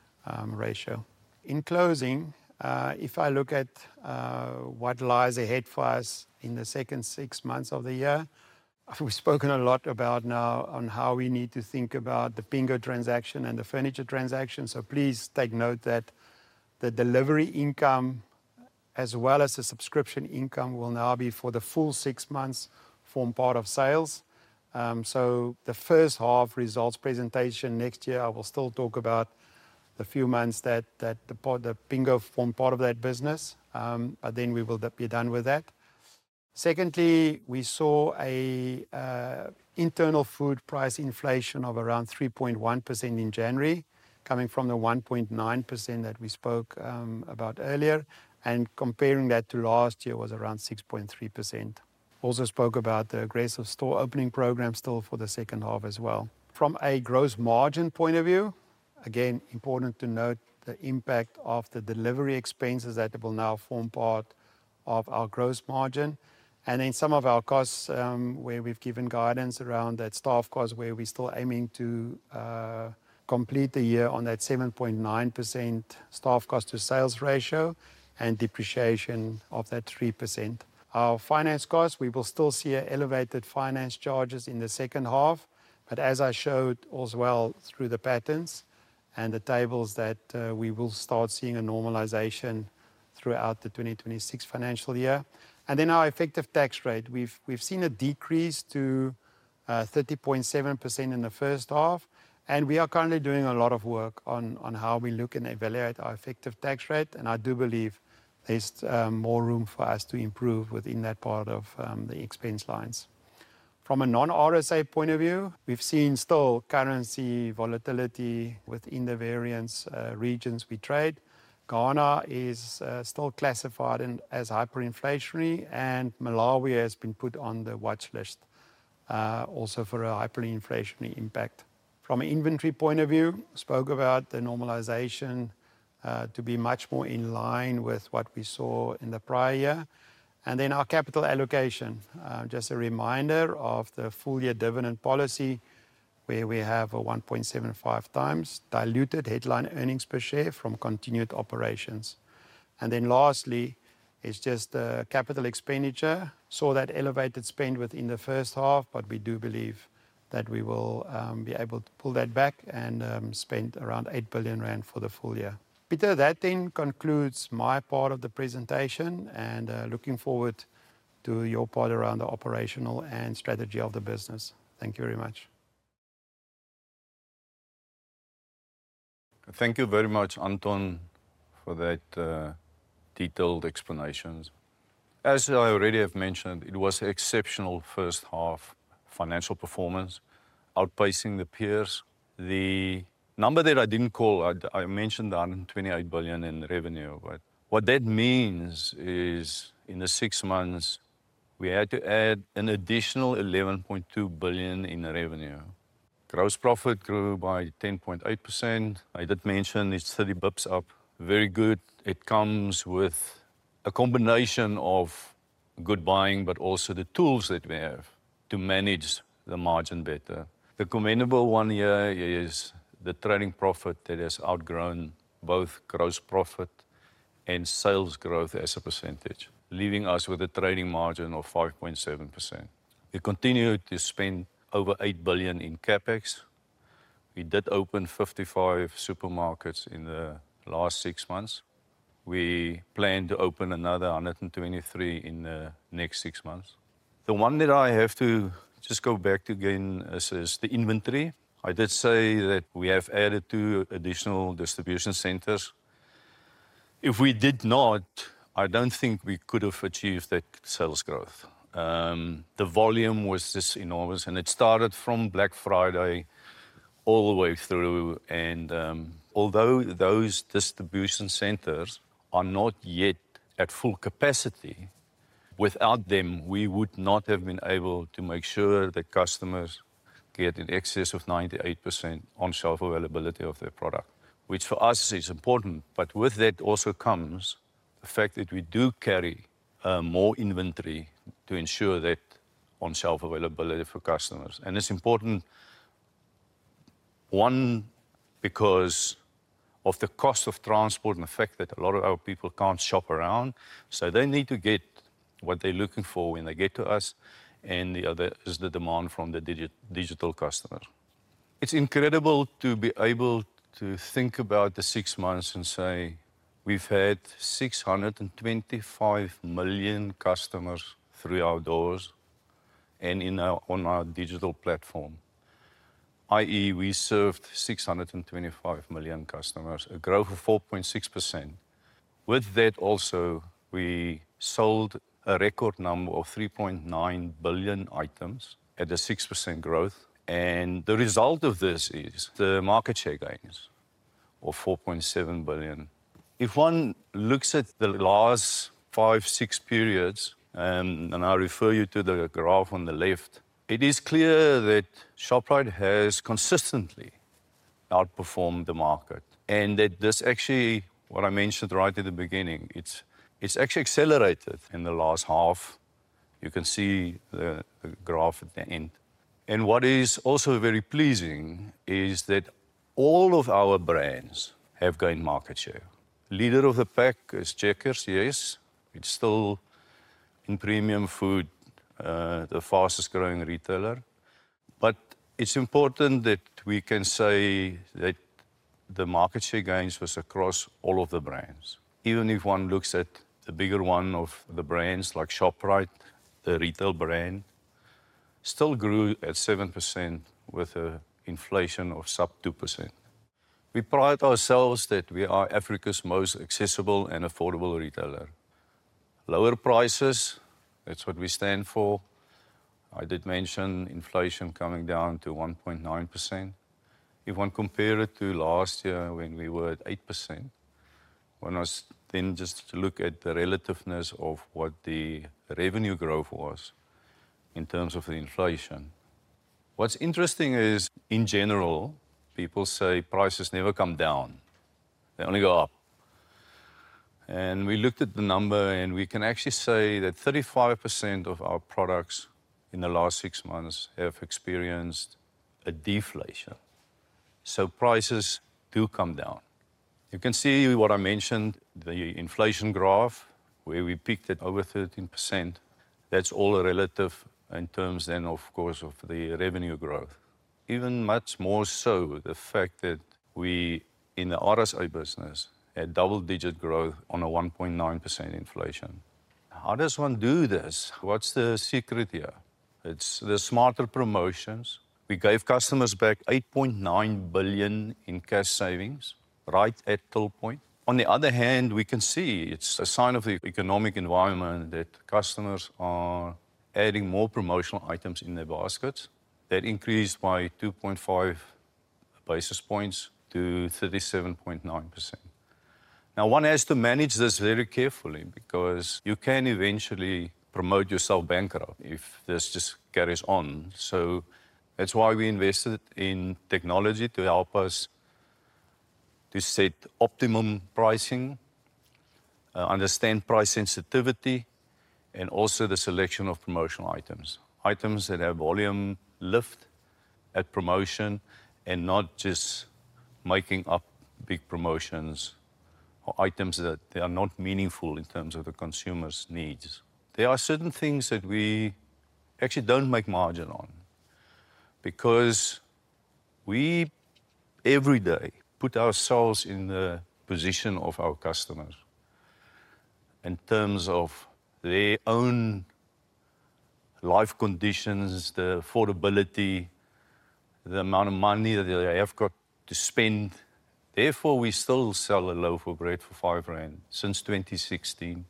ratio. In closing, if I look at what lies ahead for us in the second six months of the year, we've spoken a lot about now on how we need to think about the Pingo transaction and the furniture transaction. So please take note that the delivery income as well as the subscription income will now, for the full six months, form part of sales. So the first half results presentation next year, I will still talk about the few months that the Pingo formed part of that business, but then we will be done with that. Secondly, we saw an internal food price inflation of around 3.1% in January, coming from the 1.9% that we spoke about earlier, and comparing that to last year was around 6.3%. Also spoke about the aggressive store opening program still for the second half as well. From a gross margin point of view, again, important to note the impact of the delivery expenses that will now form part of our gross margin, and then some of our costs where we've given guidance around that staff cost, where we're still aiming to complete the year on that 7.9% staff cost to sales ratio and depreciation of that 3%. Our finance costs, we will still see elevated finance charges in the second half, but as I showed as well through the patterns and the tables that we will start seeing a normalization throughout the 2026 financial year. And then our effective tax rate, we've seen a decrease to 30.7% in the first half, and we are currently doing a lot of work on how we look and evaluate our effective tax rate, and I do believe there's more room for us to improve within that part of the expense lines. From a non-RSA point of view, we've seen still currency volatility within the various regions we trade. Ghana is still classified as hyperinflationary, and Malawi has been put on the watch list also for a hyperinflationary impact. From an inventory point of view, spoke about the normalization to be much more in line with what we saw in the prior year. And then our capital allocation, just a reminder of the full year dividend policy, where we have a 1.75x diluted headline earnings per share from continued operations. And then lastly, it's just the capital expenditure. Saw that elevated spend within the first half, but we do believe that we will be able to pull that back and spend around 8 billion rand for the full year. Pieter, that then concludes my part of the presentation, and looking forward to your part around the operational and strategy of the business. Thank you very much. Thank you very much, Anton, for that detailed explanations. As I already have mentioned, it was an exceptional first half financial performance, outpacing the peers. The number that I didn't call, I mentioned the 128 billion in revenue, but what that means is in the six months, we had to add an additional 11.2 billion in revenue. Gross profit grew by 10.8%. I did mention it's 30 basis points up. Very good. It comes with a combination of good buying, but also the tools that we have to manage the margin better. The commendable one here is the trading profit that has outgrown both gross profit and sales growth as a percentage, leaving us with a trading margin of 5.7%. We continue to spend over 8 billion in CapEx. We did open 55 supermarkets in the last six months. We plan to open another 123 in the next six months. The one that I have to just go back to again is the inventory. I did say that we have added two additional distribution centers. If we did not, I don't think we could have achieved that sales growth. The volume was just enormous, and it started from Black Friday all the way through. Although those distribution centers are not yet at full capacity, without them, we would not have been able to make sure that customers get an excess of 98% on shelf availability of their product, which for us is important. But with that also comes the fact that we do carry more inventory to ensure that on shelf availability for customers. It's important, one, because of the cost of transport and the fact that a lot of our people can't shop around. So they need to get what they're looking for when they get to us. And the other is the demand from the digital customers. It's incredible to be able to think about the six months and say we've had 625 million customers through our doors and on our digital platform, i.e., we served 625 million customers, a growth of 4.6%. With that also, we sold a record number of 3.9 billion items at a 6% growth. And the result of this is the market share gains of 4.7 billion. If one looks at the last five, six periods, and I'll refer you to the graph on the left, it is clear that Shoprite has consistently outperformed the market. And that this actually, what I mentioned right at the beginning, it's actually accelerated in the last half. You can see the graph at the end. And what is also very pleasing is that all of our brands have gained market share. Leader of the pack is Checkers, yes. It's still in premium food, the fastest growing retailer. But it's important that we can say that the market share gains was across all of the brands. Even if one looks at the bigger one of the brands like Shoprite, the retail brand, still grew at 7% with an inflation of sub 2%. We pride ourselves that we are Africa's most accessible and affordable retailer. Lower prices, that's what we stand for. I did mention inflation coming down to 1.9%. If one compared it to last year when we were at 8%, when I was then just to look at the relativeness of what the revenue growth was in terms of the inflation. What's interesting is in general, people say prices never come down. They only go up, and we looked at the number and we can actually say that 35% of our products in the last six months have experienced a deflation. So prices do come down. You can see what I mentioned, the inflation graph where we peaked at over 13%. That's all relative in terms then, of course, of the revenue growth. Even much more so the fact that we in the RSA business had double-digit growth on a 1.9% inflation. How does one do this? What's the secret here? It's the smarter promotions. We gave customers back 8.9 billion in cash savings right at till point. On the other hand, we can see it's a sign of the economic environment that customers are adding more promotional items in their baskets. That increased by 2.5 basis points to 37.9%. Now, one has to manage this very carefully because you can eventually promote yourself bankrupt if this just carries on. So that's why we invested in technology to help us to set optimum pricing, understand price sensitivity, and also the selection of promotional items. Items that have volume lift at promotion and not just making up big promotions or items that are not meaningful in terms of the consumer's needs. There are certain things that we actually don't make margin on because we every day put ourselves in the position of our customers in terms of their own life conditions, the affordability, the amount of money that they have got to spend. Therefore, we still sell a loaf of bread for 5 rand since 2016,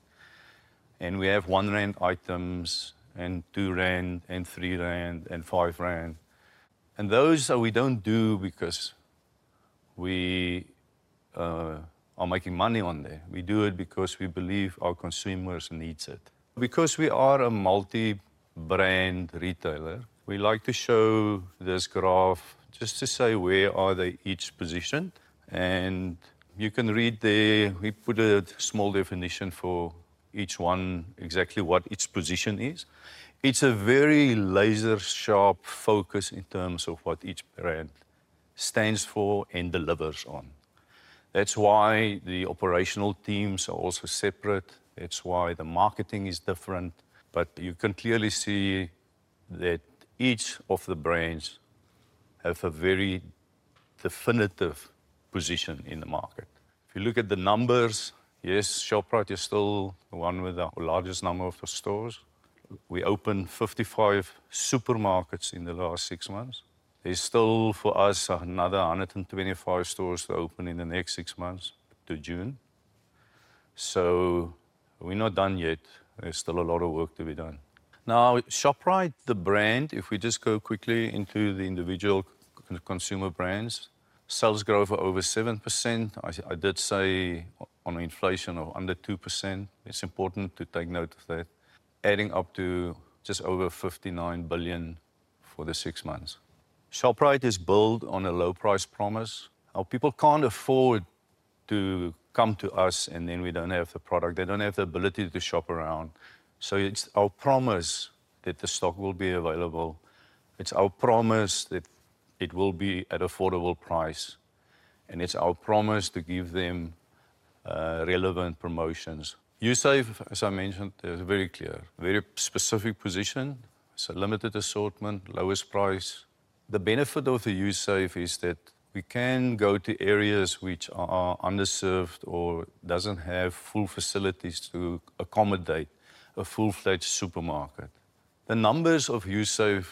and we have 1 rand items and 2 rand and 3 rand and 5 rand. And those we don't do because we are making money on there. We do it because we believe our consumers need it. Because we are a multi-brand retailer, we like to show this graph just to say where are they each positioned. You can read there, we put a small definition for each one exactly what each position is. It's a very laser-sharp focus in terms of what each brand stands for and delivers on. That's why the operational teams are also separate. That's why the marketing is different. But you can clearly see that each of the brands have a very definitive position in the market. If you look at the numbers, yes, Shoprite is still the one with the largest number of the stores. We opened 55 supermarkets in the last six months. There's still for us another 125 stores to open in the next six months to June. So we're not done yet. There's still a lot of work to be done. Now, Shoprite, the brand, if we just go quickly into the individual consumer brands, sales growth over 7%. I did say, on inflation of under 2%. It's important to take note of that. Adding up to just over 59 billion for the six months. Shoprite is built on a low price promise. Our people can't afford to come to us and then we don't have the product. They don't have the ability to shop around. So it's our promise that the stock will be available. It's our promise that it will be at affordable price. And it's our promise to give them relevant promotions. Usave, as I mentioned, is very clear. Very specific position. It's a limited assortment, lowest price. The benefit of the Usave is that we can go to areas which are underserved or doesn't have full facilities to accommodate a full-fledged supermarket. The numbers of Usave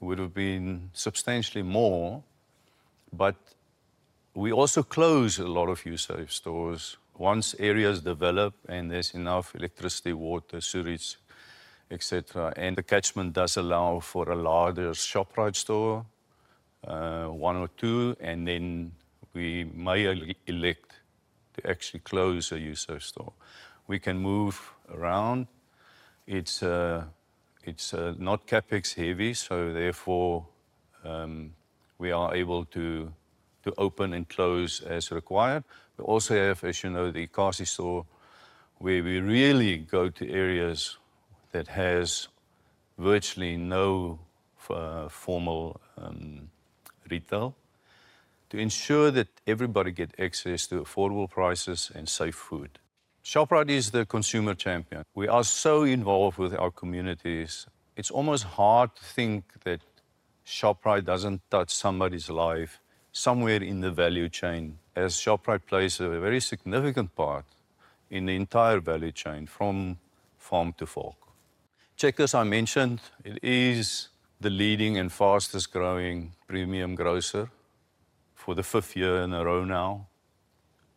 would have been substantially more, but we also close a lot of Usave stores once areas develop and there's enough electricity, water, sewage, etc. The catchment does allow for a larger Shoprite store, one or two, and then we may elect to actually close a Usave store. We can move around. It's not CapEx heavy, so therefore we are able to open and close as required. We also have, as you know, the Usave store where we really go to areas that have virtually no formal retail to ensure that everybody gets access to affordable prices and safe food. Shoprite is the consumer champion. We are so involved with our communities. It's almost hard to think that Shoprite doesn't touch somebody's life somewhere in the value chain, as Shoprite plays a very significant part in the entire value chain from farm to fork. Checkers, I mentioned, it is the leading and fastest growing premium grocer for the fifth year in a row now.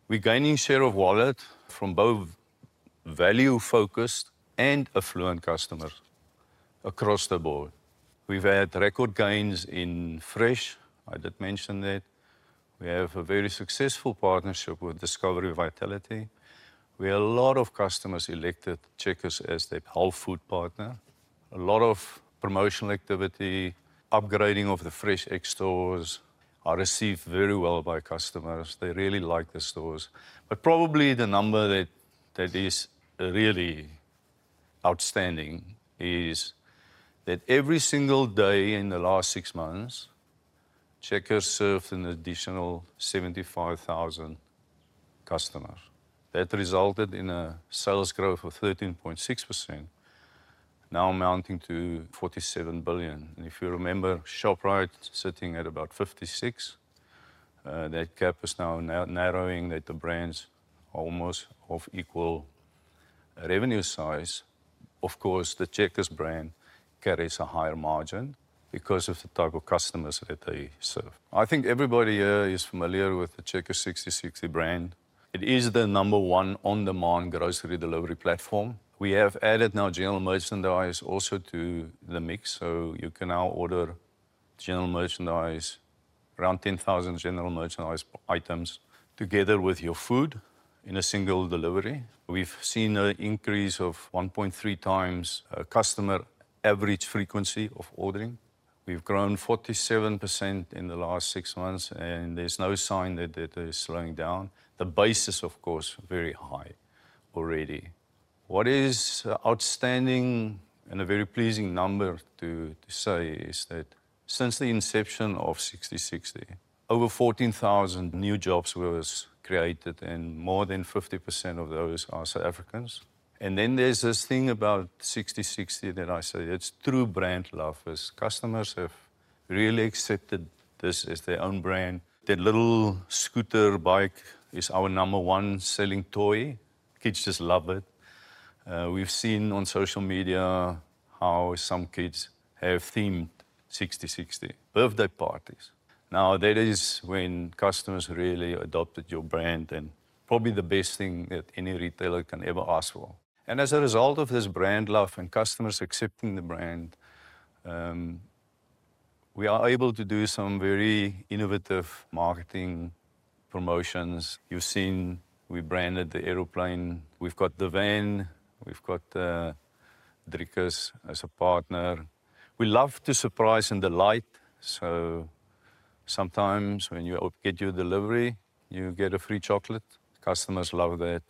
We're gaining share of wallet from both value-focused and affluent customers across the board. We've had record gains in fresh. I did mention that. We have a very successful partnership with Discovery Vitality. We have a lot of customers elected Checkers as their whole food partner. A lot of promotional activity, upgrading of the FreshX stores are received very well by customers. They really like the stores. But probably the number that is really outstanding is that every single day in the last six months, Checkers served an additional 75,000 customers. That resulted in a sales growth of 13.6%, now amounting to 47 billion. And if you remember, Shoprite sitting at about 56 billion, that gap is now narrowing that the brands are almost of equal revenue size. Of course, the Checkers brand carries a higher margin because of the type of customers that they serve. I think everybody here is familiar with the Checkers Sixty60 brand. It is the number one on-demand grocery delivery platform. We have added now general merchandise also to the mix. So you can now order general merchandise, around 10,000 general merchandise items together with your food in a single delivery. We've seen an increase of 1.3x customer average frequency of ordering. We've grown 47% in the last six months, and there's no sign that it is slowing down. The basis, of course, is very high already. What is outstanding and a very pleasing number to say is that since the inception of Sixty60, over 14,000 new jobs were created, and more than 50% of those are South Africans. And then there's this thing about Sixty60 that I say that's true brand love. Customers have really accepted this as their own brand. That little scooter bike is our number one selling toy. Kids just love it. We've seen on social media how some kids have themed Sixty60 birthday parties. Now, that is when customers really adopted your brand, and probably the best thing that any retailer can ever ask for. And as a result of this brand love and customers accepting the brand, we are able to do some very innovative marketing promotions. You've seen we branded the airplane. We've got the van. We've got the Checkers as a partner. We love to surprise and delight. So sometimes when you get your delivery, you get a free chocolate. Customers love that.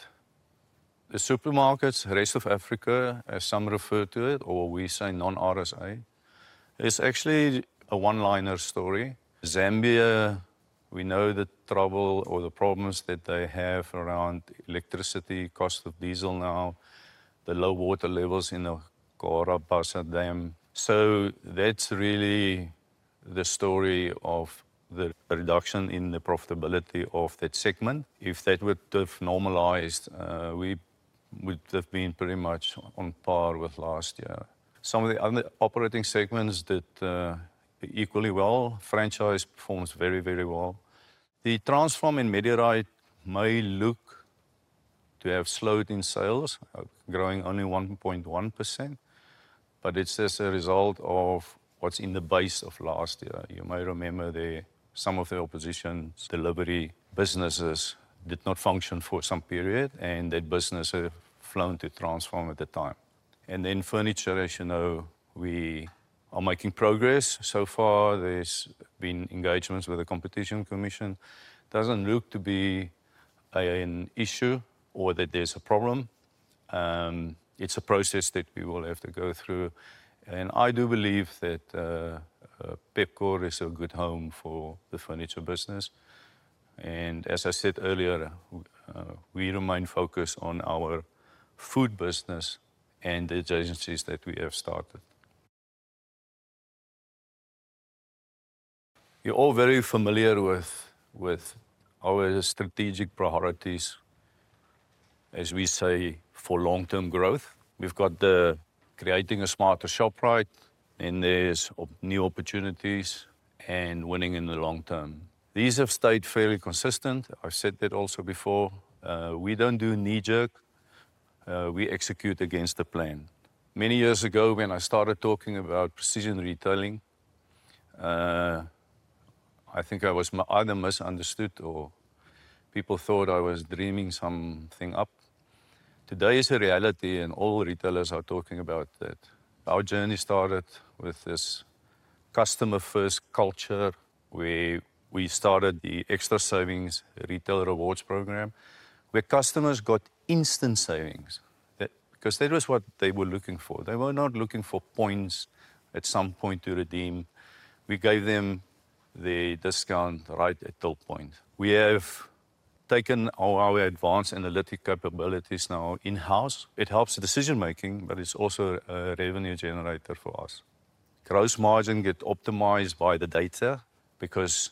The supermarkets, rest of Africa, as some refer to it, or we say non-RSA, is actually a one-liner story. Zambia, we know the trouble or the problems that they have around electricity, cost of diesel now, the low water levels in the Cahora Bassa Dam. So that's really the story of the reduction in the profitability of that segment. If that would have normalized, we would have been pretty much on par with last year. Some of the other operating segments that are equally well, franchise performs very, very well. The Transpharm and MediRite may look to have slowed in sales, growing only 1.1%, but it's just a result of what's in the base of last year. You may remember that some of their Usave delivery businesses did not function for some period, and that business has flown to Transpharm at the time. Then furniture, as you know, we are making progress. So far, there's been engagements with the Competition Commission. It doesn't look to be an issue or that there's a problem. It's a process that we will have to go through, and I do believe that Pepkor is a good home for the furniture business, as I said earlier. We remain focused on our food business and the agencies that we have started. You're all very familiar with our strategic priorities, as we say, for long-term growth. We've got the creating a smarter Shoprite, and there's new opportunities and winning in the long term. These have stayed fairly consistent. I've said that also before. We don't do knee-jerk. We execute against the plan. Many years ago, when I started talking about precision retailing, I think I was either misunderstood or people thought I was dreaming something up. Today is a reality, and all retailers are talking about that. Our journey started with this customer-first culture where we started the Xtra Savings retail rewards program, where customers got instant savings because that was what they were looking for. They were not looking for points at some point to redeem. We gave them the discount right at till point. We have taken all our advanced analytic capabilities now in-house. It helps decision-making, but it's also a revenue generator for us. Gross margin gets optimized by the data because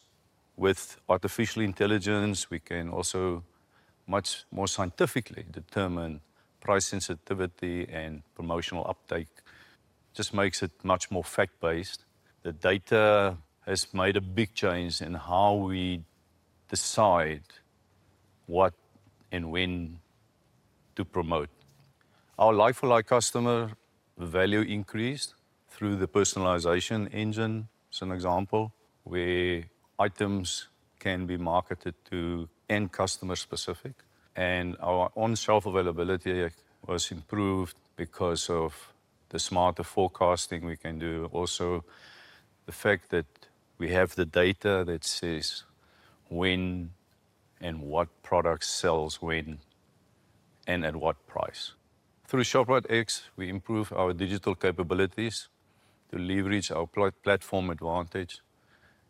with artificial intelligence, we can also much more scientifically determine price sensitivity and promotional uptake. It just makes it much more fact-based. The data has made a big change in how we decide what and when to promote. Our lifetime customer value increased through the personalization engine. It's an example where items can be marketed to specific end customers. Our on-shelf availability was improved because of the smarter forecasting we can do. Also, the fact that we have the data that says when and what product sells when and at what price. Through ShopriteX, we improve our digital capabilities to leverage our platform advantage.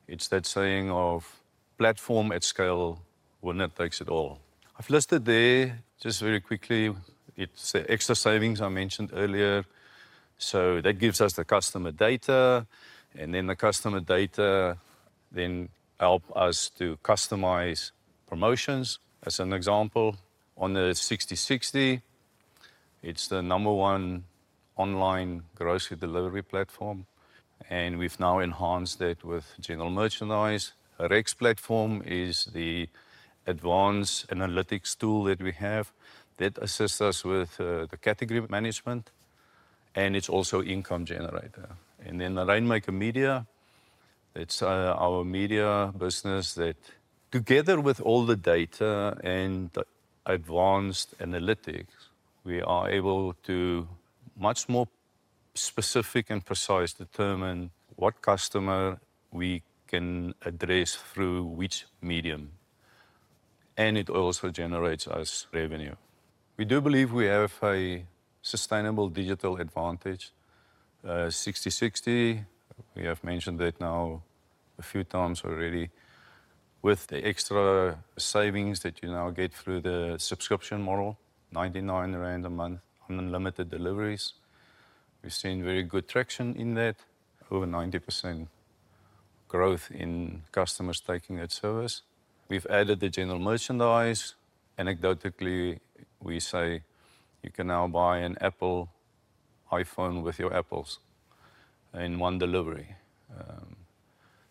It's that saying of platform at scale will not take it all. I've listed there just very quickly. It's the Xtra Savings I mentioned earlier. So that gives us the customer data, and then the customer data then helps us to customize promotions. As an example, on the Sixty60, it's the number one online grocery delivery platform. We've now enhanced that with general merchandise. REX platform is the advanced analytics tool that we have that assists us with the category management. It's also income generator. And then the Rainmaker Media, that's our media business that together with all the data and the advanced analytics, we are able to much more specific and precise determine what customer we can address through which medium. And it also generates us revenue. We do believe we have a sustainable digital advantage. Sixty60, we have mentioned that now a few times already with the Xtra Savings that you now get through the subscription model, 99 rand a month unlimited deliveries. We've seen very good traction in that, over 90% growth in customers taking that service. We've added the general merchandise. Anecdotally, we say you can now buy an Apple iPhone with your apples in one delivery.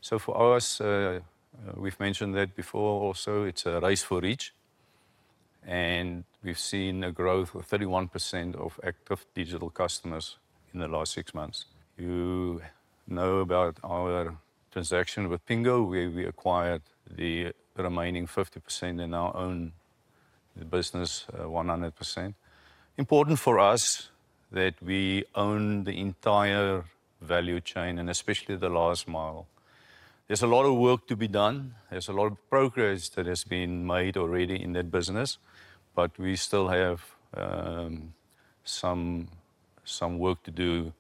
So for us, we've mentioned that before also. It's a race for reach. And we've seen a growth of 31% of active digital customers in the last six months. You know about our transaction with Pingo, where we acquired the remaining 50% and own our business 100%. It is important for us that we own the entire value chain and especially the last mile. There is a lot of work to be done. There is a lot of progress that has been made already in that business, but we still have some work to do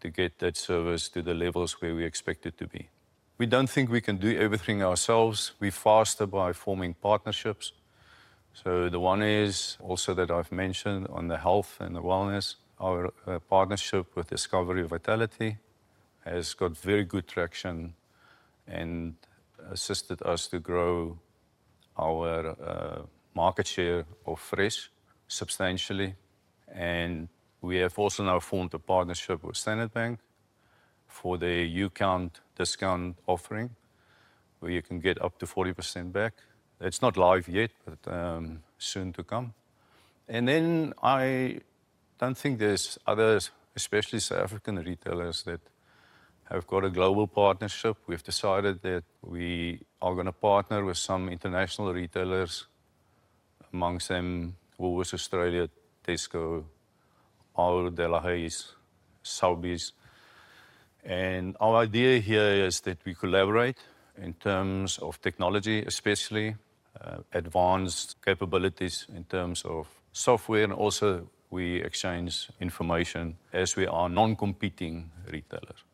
to get that service to the levels where we expect it to be. We do not think we can do everything ourselves. We fast-forward by forming partnerships so the one is also that I have mentioned on the health and the wellness. Our partnership with Discovery Vitality has got very good traction and assisted us to grow our market share of fresh substantially, and we have also now formed a partnership with Standard Bank for the UCount discount offering where you can get up to 40% back. It's not live yet, but soon to come, and then I don't think there's other, especially South African retailers that have got a global partnership. We've decided that we are going to partner with some international retailers, among them Woolworths Australia, Tesco, Ahold Delhaize, Sobeys, and our idea here is that we collaborate in terms of technology, especially advanced capabilities in terms of software, and also we exchange information as we are non-competing retailers.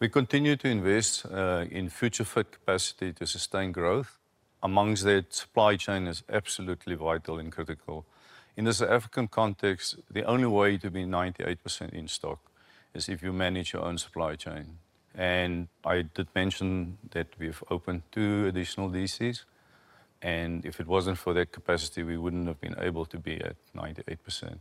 We continue to invest in future-fit capacity to sustain growth. Among that, supply chain is absolutely vital and critical, and I did mention that we've opened two additional DCs. In this African context, the only way to be 98% in stock is if you manage your own supply chain, and if it wasn't for that capacity, we wouldn't have been able to be at 98%.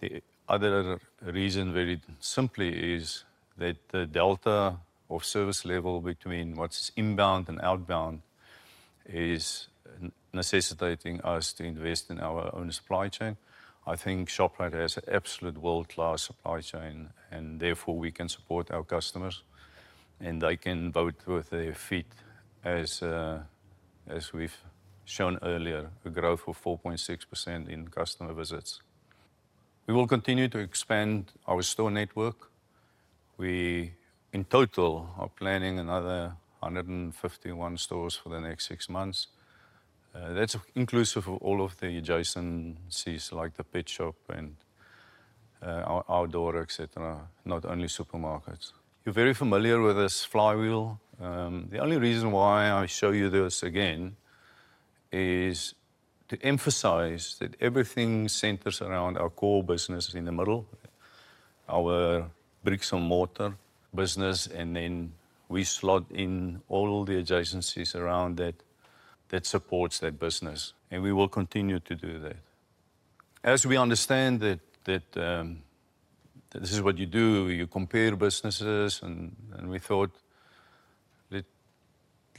The other reason, very simply, is that the delta of service level between what's inbound and outbound is necessitating us to invest in our own supply chain. I think Shoprite has an absolute world-class supply chain, and therefore we can support our customers, and they can vote with their feet. As we've shown earlier, a growth of 4.6% in customer visits. We will continue to expand our store network. We, in total, are planning another 151 stores for the next six months. That's inclusive of all of the adjacencies like the pet shop and our outdoor, etc., not only supermarkets. You're very familiar with this flywheel. The only reason why I show you this again is to emphasize that everything centers around our core business in the middle, our bricks and mortar business, and then we slot in all the adjacencies around that that supports that business. And we will continue to do that. As we understand that this is what you do, you compare businesses, and we thought that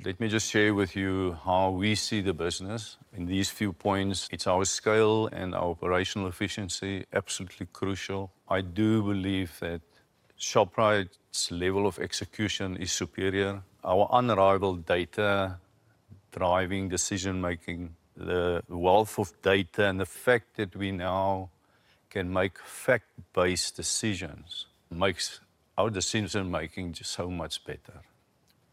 let me just share with you how we see the business. In these few points, it's our scale and our operational efficiency, absolutely crucial. I do believe that Shoprite's level of execution is superior. Our unrivaled data driving decision-making, the wealth of data, and the fact that we now can make fact-based decisions makes our decision-making just so much better.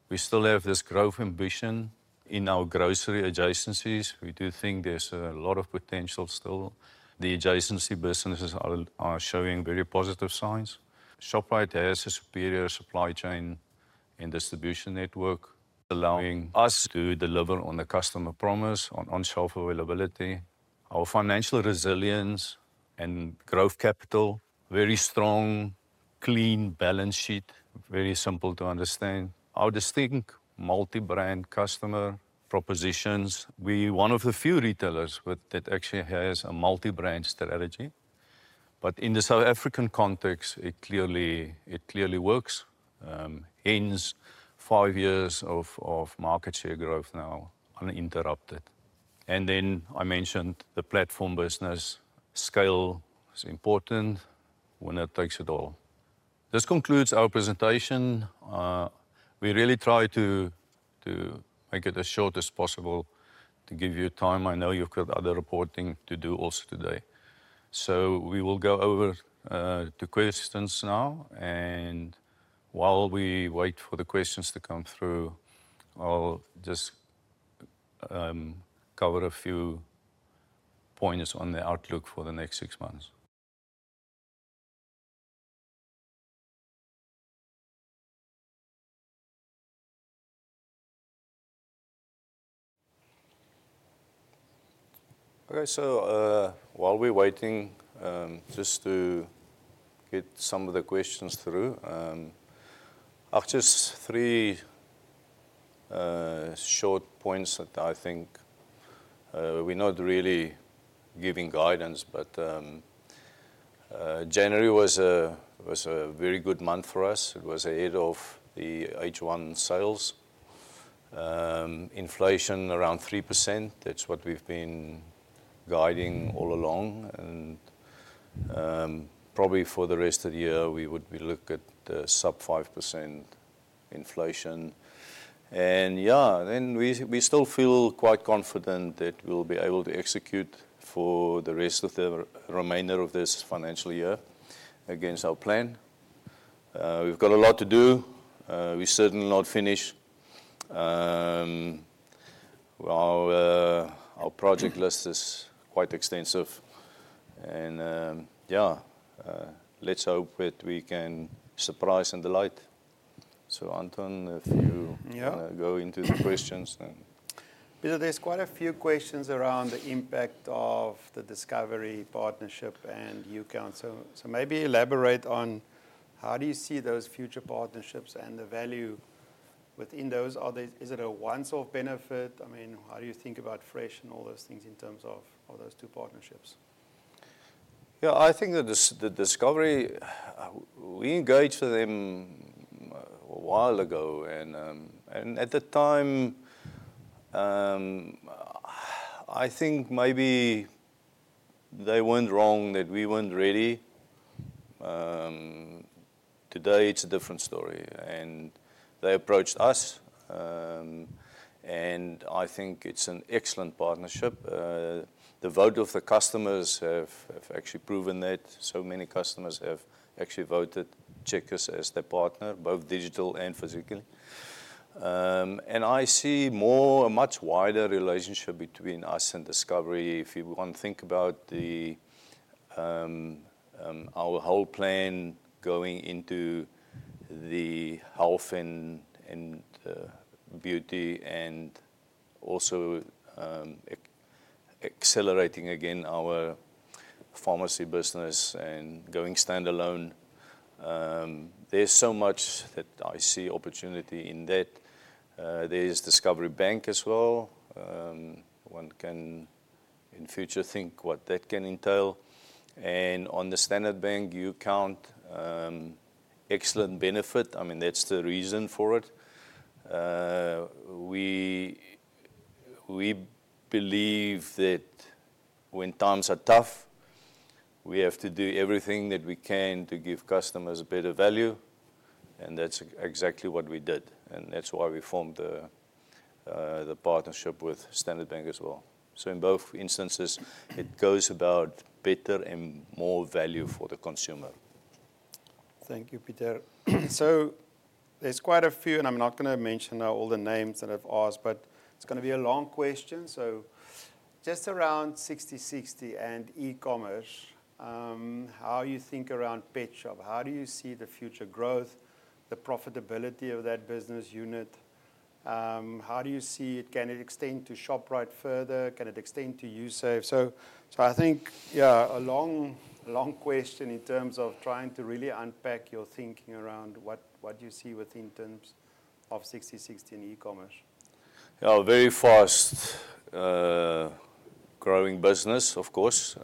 We still have this growth ambition in our grocery adjacencies. We do think there's a lot of potential still. The adjacency businesses are showing very positive signs. Shoprite has a superior supply chain and distribution network, allowing us to deliver on the customer promise on-shelf availability. Our financial resilience and growth capital, very strong, clean balance sheet, very simple to understand. Our distinct multi-brand customer propositions. We are one of the few retailers that actually has a multi-brand strategy, but in the South African context, it clearly works. Hence, five years of market share growth now uninterrupted, and then I mentioned the platform business. Scale is important when it takes it all. This concludes our presentation. We really try to make it as short as possible to give you time. I know you've got other reporting to do also today, so we will go over to questions now, and while we wait for the questions to come through, I'll just cover a few points on the outlook for the next six months. Okay, while we're waiting just to get some of the questions through, I've just three short points that I think we're not really giving guidance, but January was a very good month for us. It was ahead of the H1 sales. Inflation around 3%. That's what we've been guiding all along, and probably for the rest of the year, we would be looking at sub-5% inflation, and yeah, then we still feel quite confident that we'll be able to execute for the rest of the remainder of this financial year against our plan. We've got a lot to do. We're certainly not finished. Our project list is quite extensive, and yeah, let's hope that we can surprise and delight, so Anton, if you. Yeah. Want to go into the questions. There's quite a few questions around the impact of the Discovery partnership and UCount, so maybe elaborate on how do you see those future partnerships and the value within those? Is it a once-off benefit? I mean, how do you think about fresh and all those things in terms of those two partnerships? Yeah, I think that the Discovery, we engaged with them a while ago. And at the time, I think maybe they weren't wrong that we weren't ready. Today, it's a different story. And they approached us. And I think it's an excellent partnership. The vote of the customers have actually proven that. So many customers have actually voted Checkers as their partner, both digital and physically. And I see a much wider relationship between us and Discovery. If you want to think about our whole plan going into the health and beauty and also accelerating again our pharmacy business and going standalone, there's so much that I see opportunity in that. There's Discovery Bank as well. One can in future think what that can entail. And on the Standard Bank, UCount, excellent benefit. I mean, that's the reason for it. We believe that when times are tough, we have to do everything that we can to give customers better value. And that's exactly what we did. And that's why we formed the partnership with Standard Bank as well. So in both instances, it goes about better and more value for the consumer. Thank you, Pieter. So there's quite a few, and I'm not going to mention all the names that I've asked, but it's going to be a long question. So just around Sixty60 and e-commerce, how you think around pet shop, how do you see the future growth, the profitability of that business unit? How do you see it? Can it extend to Shoprite further? Can it extend to Usave? So I think, yeah, a long question in terms of trying to really unpack your thinking around what you see within terms of Sixty60 and e-commerce. Yeah, a very fast-growing business, of course.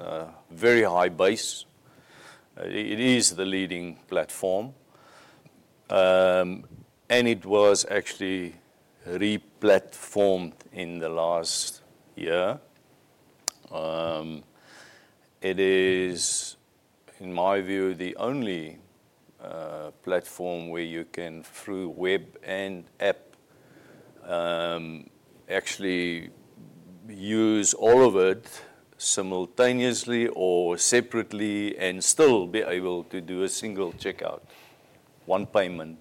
Very high base. It is the leading platform. And it was actually replatformed in the last year. It is, in my view, the only platform where you can, through web and app, actually use all of it simultaneously or separately and still be able to do a single checkout, one payment.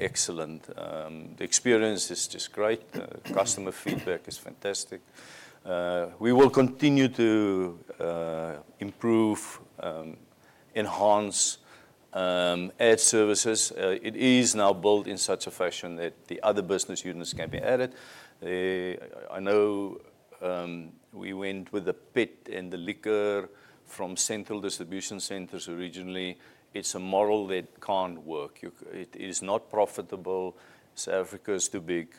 Excellent. The experience is just great. Customer feedback is fantastic. We will continue to improve, enhance ad services. It is now built in such a fashion that the other business units can be added. I know we went with the pet and the liquor from central distribution centers originally. It's a model that can't work. It is not profitable. South Africa is too big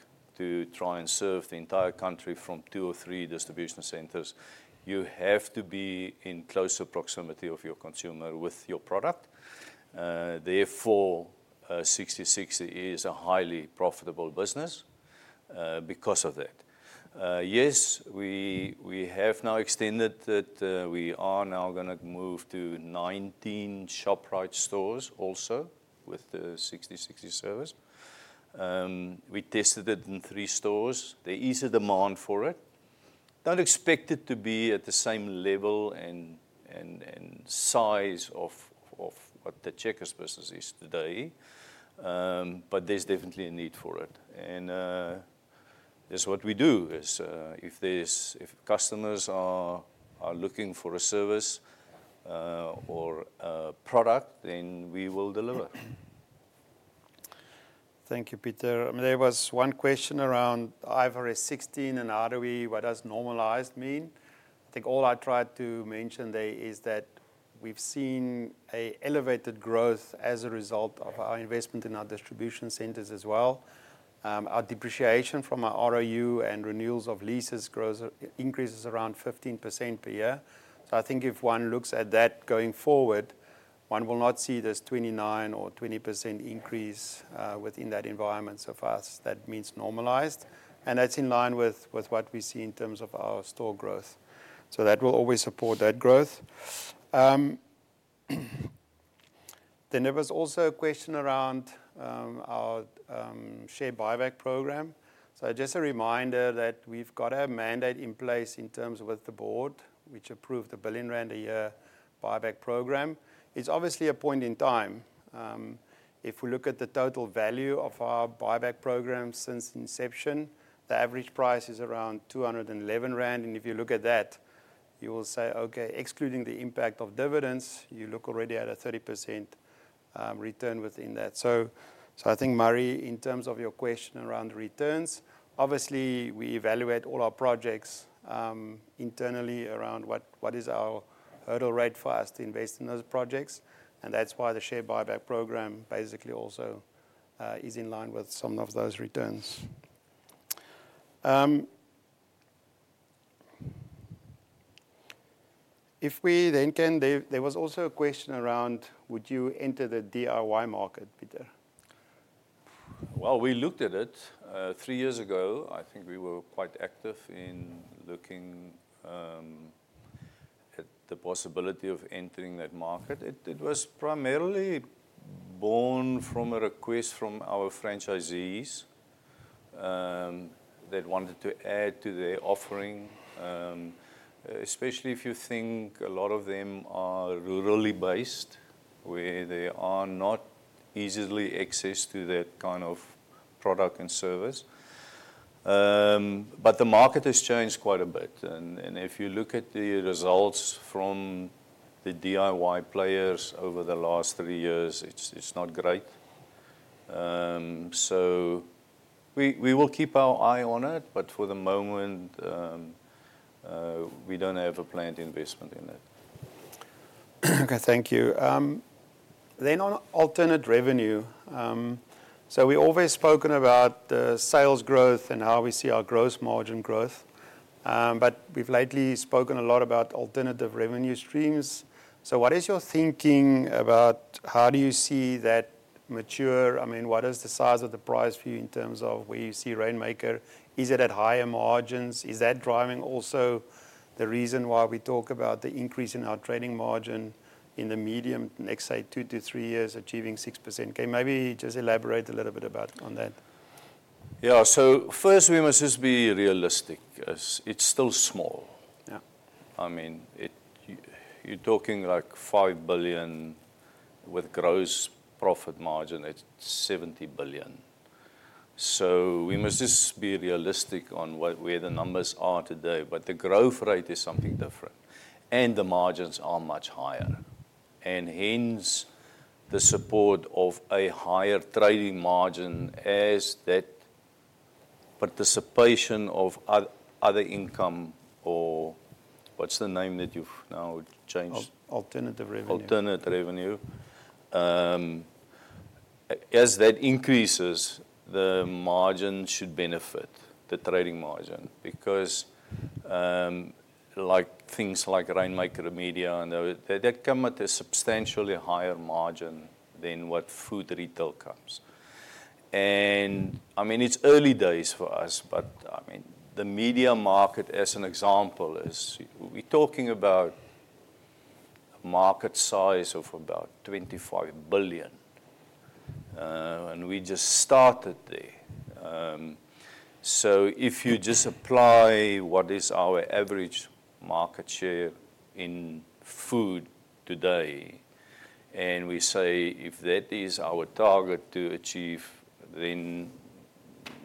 to try and serve the entire country from two or three distribution centers. You have to be in close proximity of your consumer with your product. Therefore, Sixty60 is a highly profitable business because of that. Yes, we have now extended that we are now going to move to 19 Shoprite stores also with the Sixty60 service. We tested it in three stores. There is a demand for it. Don't expect it to be at the same level and size of what the Checkers business is today. But there's definitely a need for it. And that's what we do. If customers are looking for a service or a product, then we will deliver. Thank you, Pieter. There was one question around IFRS 16 and ROIC. What does normalized mean? I think all I tried to mention there is that we've seen an elevated growth as a result of our investment in our distribution centers as well. Our depreciation from our ROU and renewals of leases increases around 15% per year. I think if one looks at that going forward, one will not see this 29% or 20% increase within that environment so fast. That means normalized. And that's in line with what we see in terms of our store growth. So that will always support that growth. Then there was also a question around our share buyback program. So just a reminder that we've got a mandate in place in terms with the board, which approved the 1 billion rand-a-year buyback program. It's obviously a point in time. If we look at the total value of our buyback program since inception, the average price is around 211 rand. And if you look at that, you will say, okay, excluding the impact of dividends, you look already at a 30% return within that. So, I think, Murray, in terms of your question around returns, obviously, we evaluate all our projects internally around what is our hurdle rate for us to invest in those projects. And that's why the share buyback program basically also is in line with some of those returns. If we then can, there was also a question around, would you enter the DIY market, Pieter? Well, we looked at it three years ago. I think we were quite active in looking at the possibility of entering that market. It was primarily born from a request from our franchisees that wanted to add to their offering, especially if you think a lot of them are rurally based, where they are not easily accessed to that kind of product and service. But the market has changed quite a bit. If you look at the results from the DIY players over the last three years, it's not great. We will keep our eye on it, but for the moment, we don't have a planned investment in it. Okay, thank you. On alternative revenue. We've always spoken about the sales growth and how we see our gross margin growth. We've lately spoken a lot about alternative revenue streams. What is your thinking about how do you see that mature? I mean, what is the size of the prize for you in terms of where you see Rainmaker? Is it at higher margins? Is that driving also the reason why we talk about the increase in our trading margin in the medium, next, say, two to three years, achieving 6%? Can you maybe just elaborate a little bit on that? Yeah, so first, we must just be realistic. It's still small. I mean, you're talking like 5 billion with gross profit margin at 70 billion. So we must just be realistic on where the numbers are today. But the growth rate is something different. And the margins are much higher. And hence, the support of a higher trading margin as that participation of other income or what's the name that you've now changed? Alternative revenue. Alternative revenue. As that increases, the margin should benefit, the trading margin, because things like Rainmaker Media and that come at a substantially higher margin than what food retail comes. And I mean, it's early days for us, but I mean, the media market, as an example, we're talking about a market size of about 25 billion. And we just started there. So if you just apply what is our average market share in food today, and we say if that is our target to achieve, then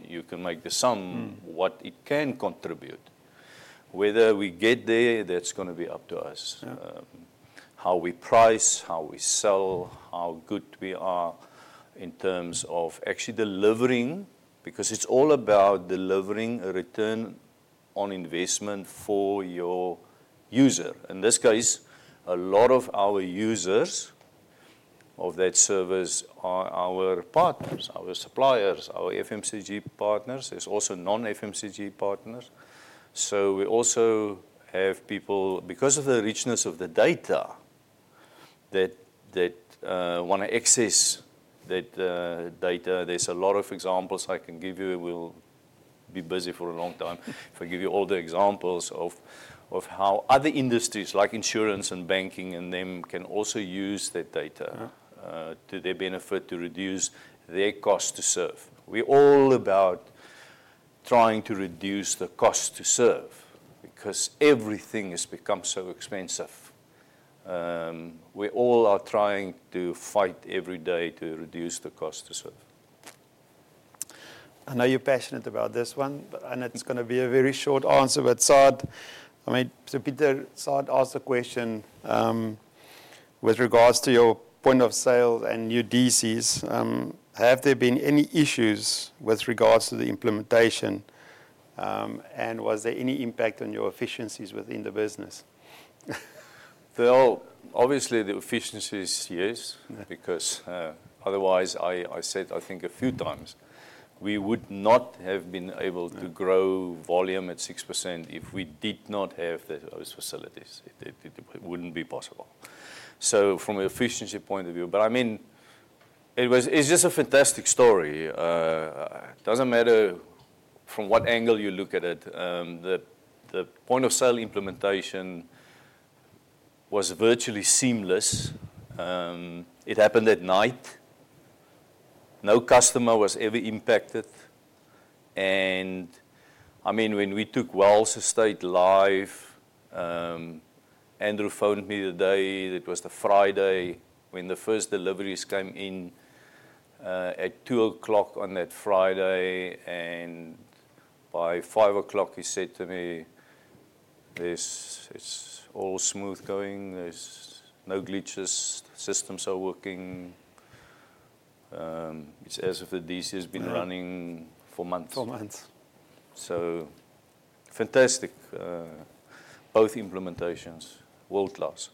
you can make the sum what it can contribute. Whether we get there, that's going to be up to us. How we price, how we sell, how good we are in terms of actually delivering, because it's all about delivering a return on investment for your user. In this case, a lot of our users of that service are our partners, our suppliers, our FMCG partners. There's also non-FMCG partners. So we also have people, because of the richness of the data, that want to access that data. There's a lot of examples I can give you. We'll be busy for a long time. If I give you all the examples of how other industries like insurance and banking and them can also use that data to their benefit to reduce their cost to serve. We're all about trying to reduce the cost to serve because everything has become so expensive. We all are trying to fight every day to reduce the cost to serve. I know you're passionate about this one, and it's going to be a very short answer, but I mean, so Pieter, Zaid asked a question with regards to your point of sale and your DCs. Have there been any issues with regards to the implementation? And was there any impact on your efficiencies within the business? Obviously, the efficiencies, yes, because otherwise, I said, I think a few times, we would not have been able to grow volume at 6% if we did not have those facilities. It wouldn't be possible, so from an efficiency point of view, but I mean, it's just a fantastic story. It doesn't matter from what angle you look at it. The point of sale implementation was virtually seamless. It happened at night. No customer was ever impacted, and I mean, when we took Wells Estate live, Andrew phoned me that day. It was the Friday when the first deliveries came in at 2:00 P.M. on that Friday, and by 5:00 P.M., he said to me, "It's all smooth going. There's no glitches. Systems are working." It's as if the DC has been running for months. For months, so fantastic. Both implementations, world-class.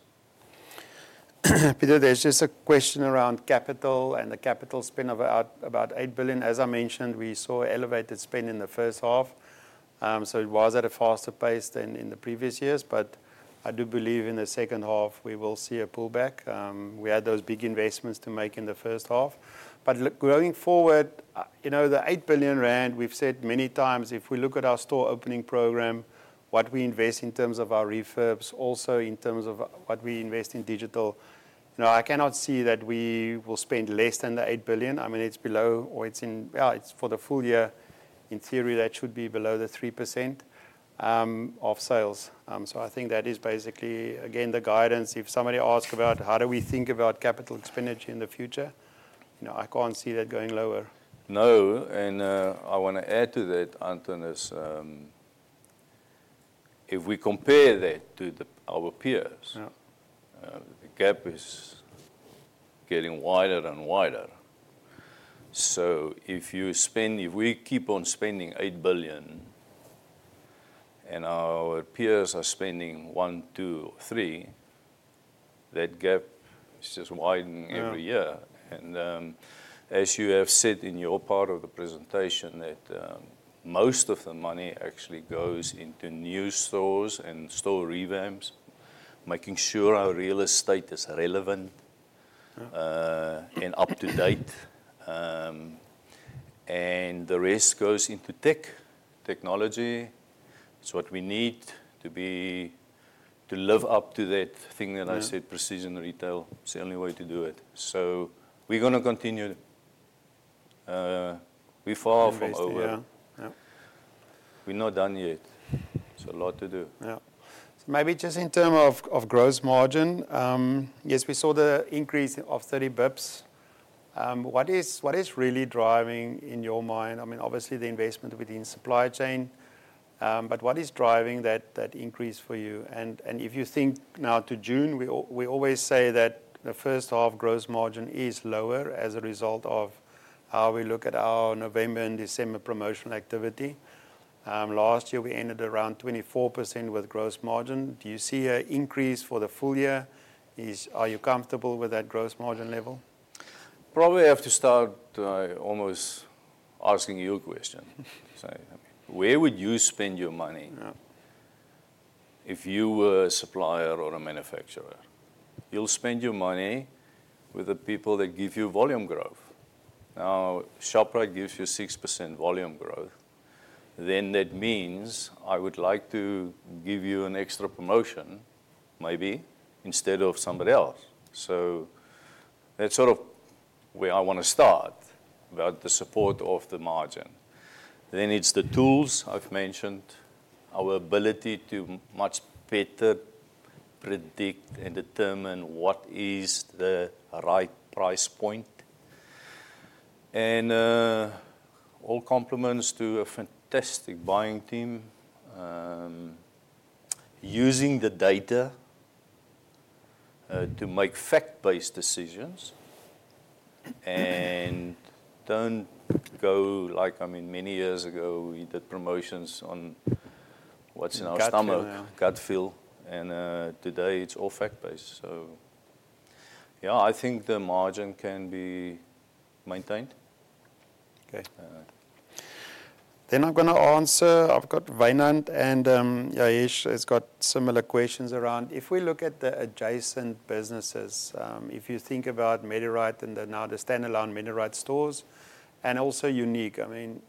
Pieter, there's just a question around capital and the capital spend of about 8 billion. As I mentioned, we saw elevated spend in the first half, so it was at a faster pace than in the previous years. But I do believe in the second half, we will see a pullback. We had those big investments to make in the first half. But going forward, the 8 billion rand, we've said many times, if we look at our store opening program, what we invest in terms of our refurbs, also in terms of what we invest in digital, I cannot see that we will spend less than the 8 billion. I mean, it's below or it's in, yeah, it's for the full year. In theory, that should be below the 3% of sales. So I think that is basically, again, the guidance. If somebody asks about how do we think about capital expenditure in the future, I can't see that going lower. No. And I want to add to that, Anton, is if we compare that to our peers, the gap is getting wider and wider. So if we keep on spending 8 billion and our peers are spending 1 billion, 2 billion, 3 billion, that gap is just widening every year. And as you have said in your part of the presentation, that most of the money actually goes into new stores and store revamps, making sure our real estate is relevant and up to date. And the rest goes into tech, technology. It's what we need to live up to that thing that I said, precision retail. It's the only way to do it. So we're going to continue. We're far from over. We're not done yet. There's a lot to do. Yeah. So maybe just in terms of gross margin, yes, we saw the increase of 30 basis points. What is really driving in your mind? I mean, obviously, the investment within supply chain, but what is driving that increase for you? If you think now to June, we always say that the first half gross margin is lower as a result of how we look at our November and December promotional activity. Last year, we ended around 24% with gross margin. Do you see an increase for the full year? Are you comfortable with that gross margin level? Probably I have to start almost asking you a question. Where would you spend your money if you were a supplier or a manufacturer? You'll spend your money with the people that give you volume growth. Now, Shoprite gives you 6% volume growth. Then that means I would like to give you an extra promotion, maybe, instead of somebody else. So that's sort of where I want to start, about the support of the margin. Then it's the tools I've mentioned, our ability to much better predict and determine what is the right price point. And all compliments to a fantastic buying team, using the data to make fact-based decisions and don't go like, I mean, many years ago, we did promotions on what's in our stomach. Gut feel. Gut feel. And today, it's all fact-based. So yeah, I think the margin can be maintained. Okay. Then I'm going to answer. I've got Wynand and Yash has got similar questions around. If we look at the adjacent businesses, if you think about MediRite and now the standalone MediRite stores and also UNIQ, I mean,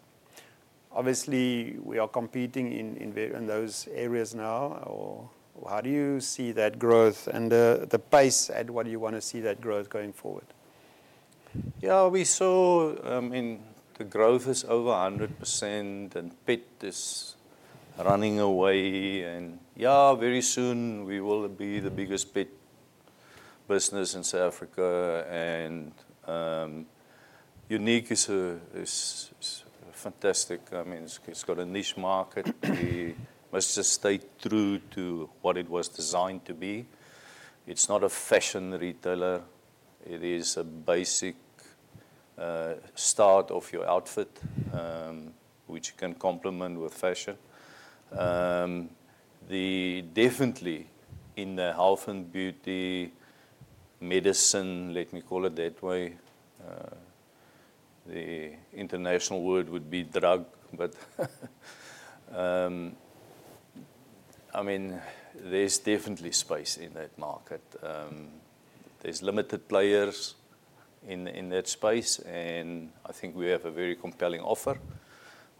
obviously, we are competing in those areas now. How do you see that growth and the pace at what you want to see that growth going forward? Yeah, we saw, I mean, the growth is over 100% and pet is running away. Yeah, very soon, we will be the biggest pet business in South Africa. UNIQ is fantastic. I mean, it's got a niche market. We must just stay true to what it was designed to be. It's not a fashion retailer. It is a basic start of your outfit, which you can complement with fashion. Definitely, in the health and beauty, medicine, let me call it that way. The international word would be drug, but I mean, there's definitely space in that market. There's limited players in that space. I think we have a very compelling offer.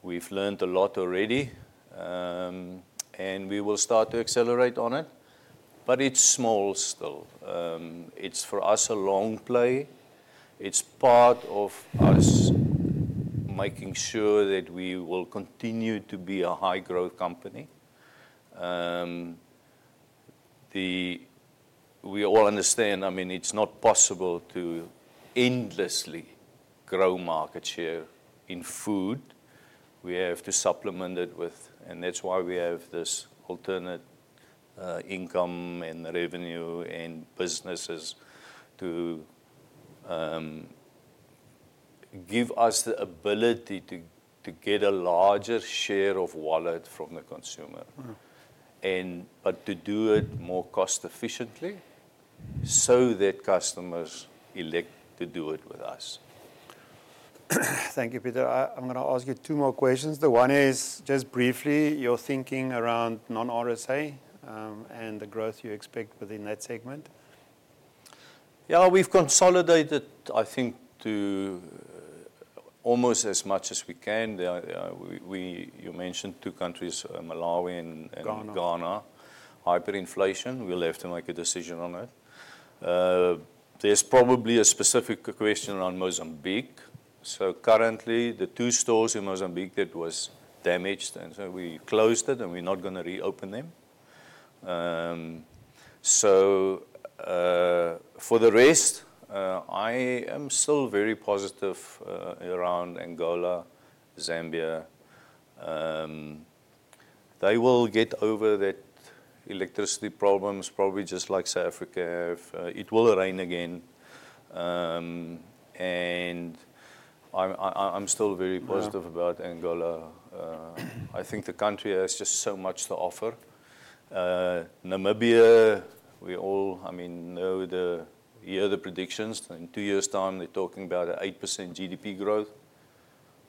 We've learned a lot already. We will start to accelerate on it. It's small still. It's for us a long play. It's part of us making sure that we will continue to be a high-growth company. We all understand, I mean, it's not possible to endlessly grow market share in food. We have to supplement it with, and that's why we have this alternate income and revenue and businesses to give us the ability to get a larger share of wallet from the consumer, but to do it more cost-efficiently so that customers elect to do it with us. Thank you, Pieter. I'm going to ask you two more questions. The one is just briefly, your thinking around non-RSA and the growth you expect within that segment. Yeah, we've consolidated, I think, to almost as much as we can. You mentioned two countries, Malawi and. Ghana. Ghana. Hyperinflation. We'll have to make a decision on it. There's probably a specific question around Mozambique. So currently, the two stores in Mozambique that were damaged, and so we closed it, and we're not going to reopen them. So for the rest, I am still very positive around Angola, Zambia. They will get over that electricity problems, probably just like South Africa have. It will rain again. And I'm still very positive about Angola. I think the country has just so much to offer. Namibia, we all, I mean, know the year of the predictions. In two years' time, they're talking about an 8% GDP growth.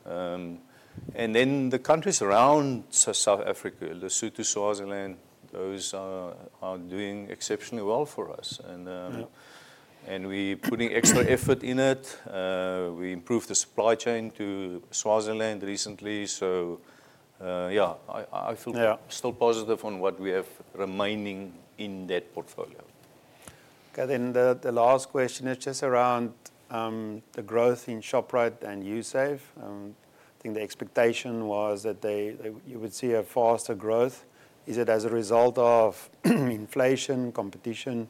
And then the countries around South Africa, Lesotho and Swaziland, those are doing exceptionally well for us. And we're putting extra effort in it. We improved the supply chain to Swaziland recently. So yeah, I feel still positive on what we have remaining in that portfolio. Okay. Then the last question is just around the growth in Shoprite and Usave. I think the expectation was that you would see a faster growth. Is it as a result of inflation, competition?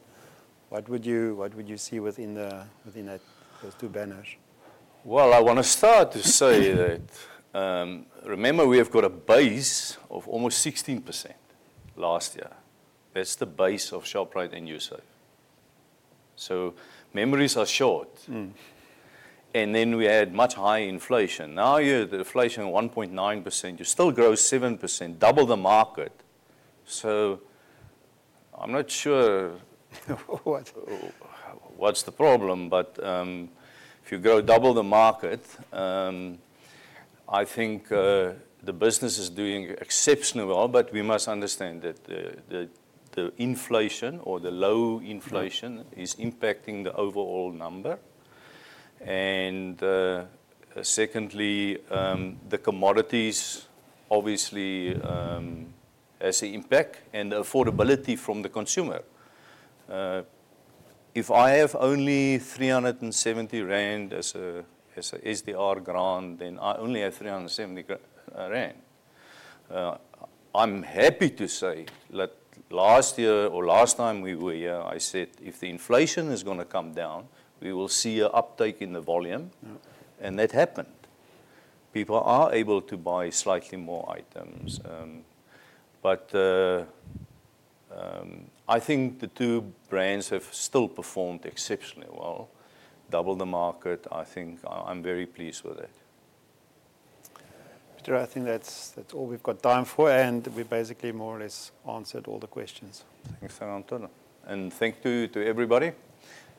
What would you see within those two banners? Well, I want to start to say that remember we have got a base of almost 16% last year. That's the base of Shoprite and Usave. So memories are short. And then we had much higher inflation. Now you're at inflation of 1.9%. You still grow 7%, double the market. So I'm not sure what's the problem. But if you grow double the market, I think the business is doing exceptionally well. But we must understand that the inflation or the low inflation is impacting the overall number. And secondly, the commodities, obviously, has an impact and the affordability from the consumer. If I have only 370 rand as an SRD grant, then I only have 370 rand. I'm happy to say that last year or last time we were here, I said, "If the inflation is going to come down, we will see an uptake in the volume," and that happened. People are able to buy slightly more items, but I think the two brands have still performed exceptionally well. Double the market, I think I'm very pleased with it. Pieter, I think that's all we've got time for, and we basically more or less answered all the questions. Thanks, Anton, and thank you to everybody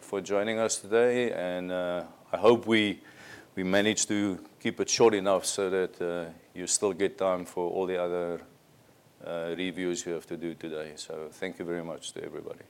for joining us today, and I hope we managed to keep it short enough so that you still get time for all the other reviews you have to do today, so thank you very much to everybody.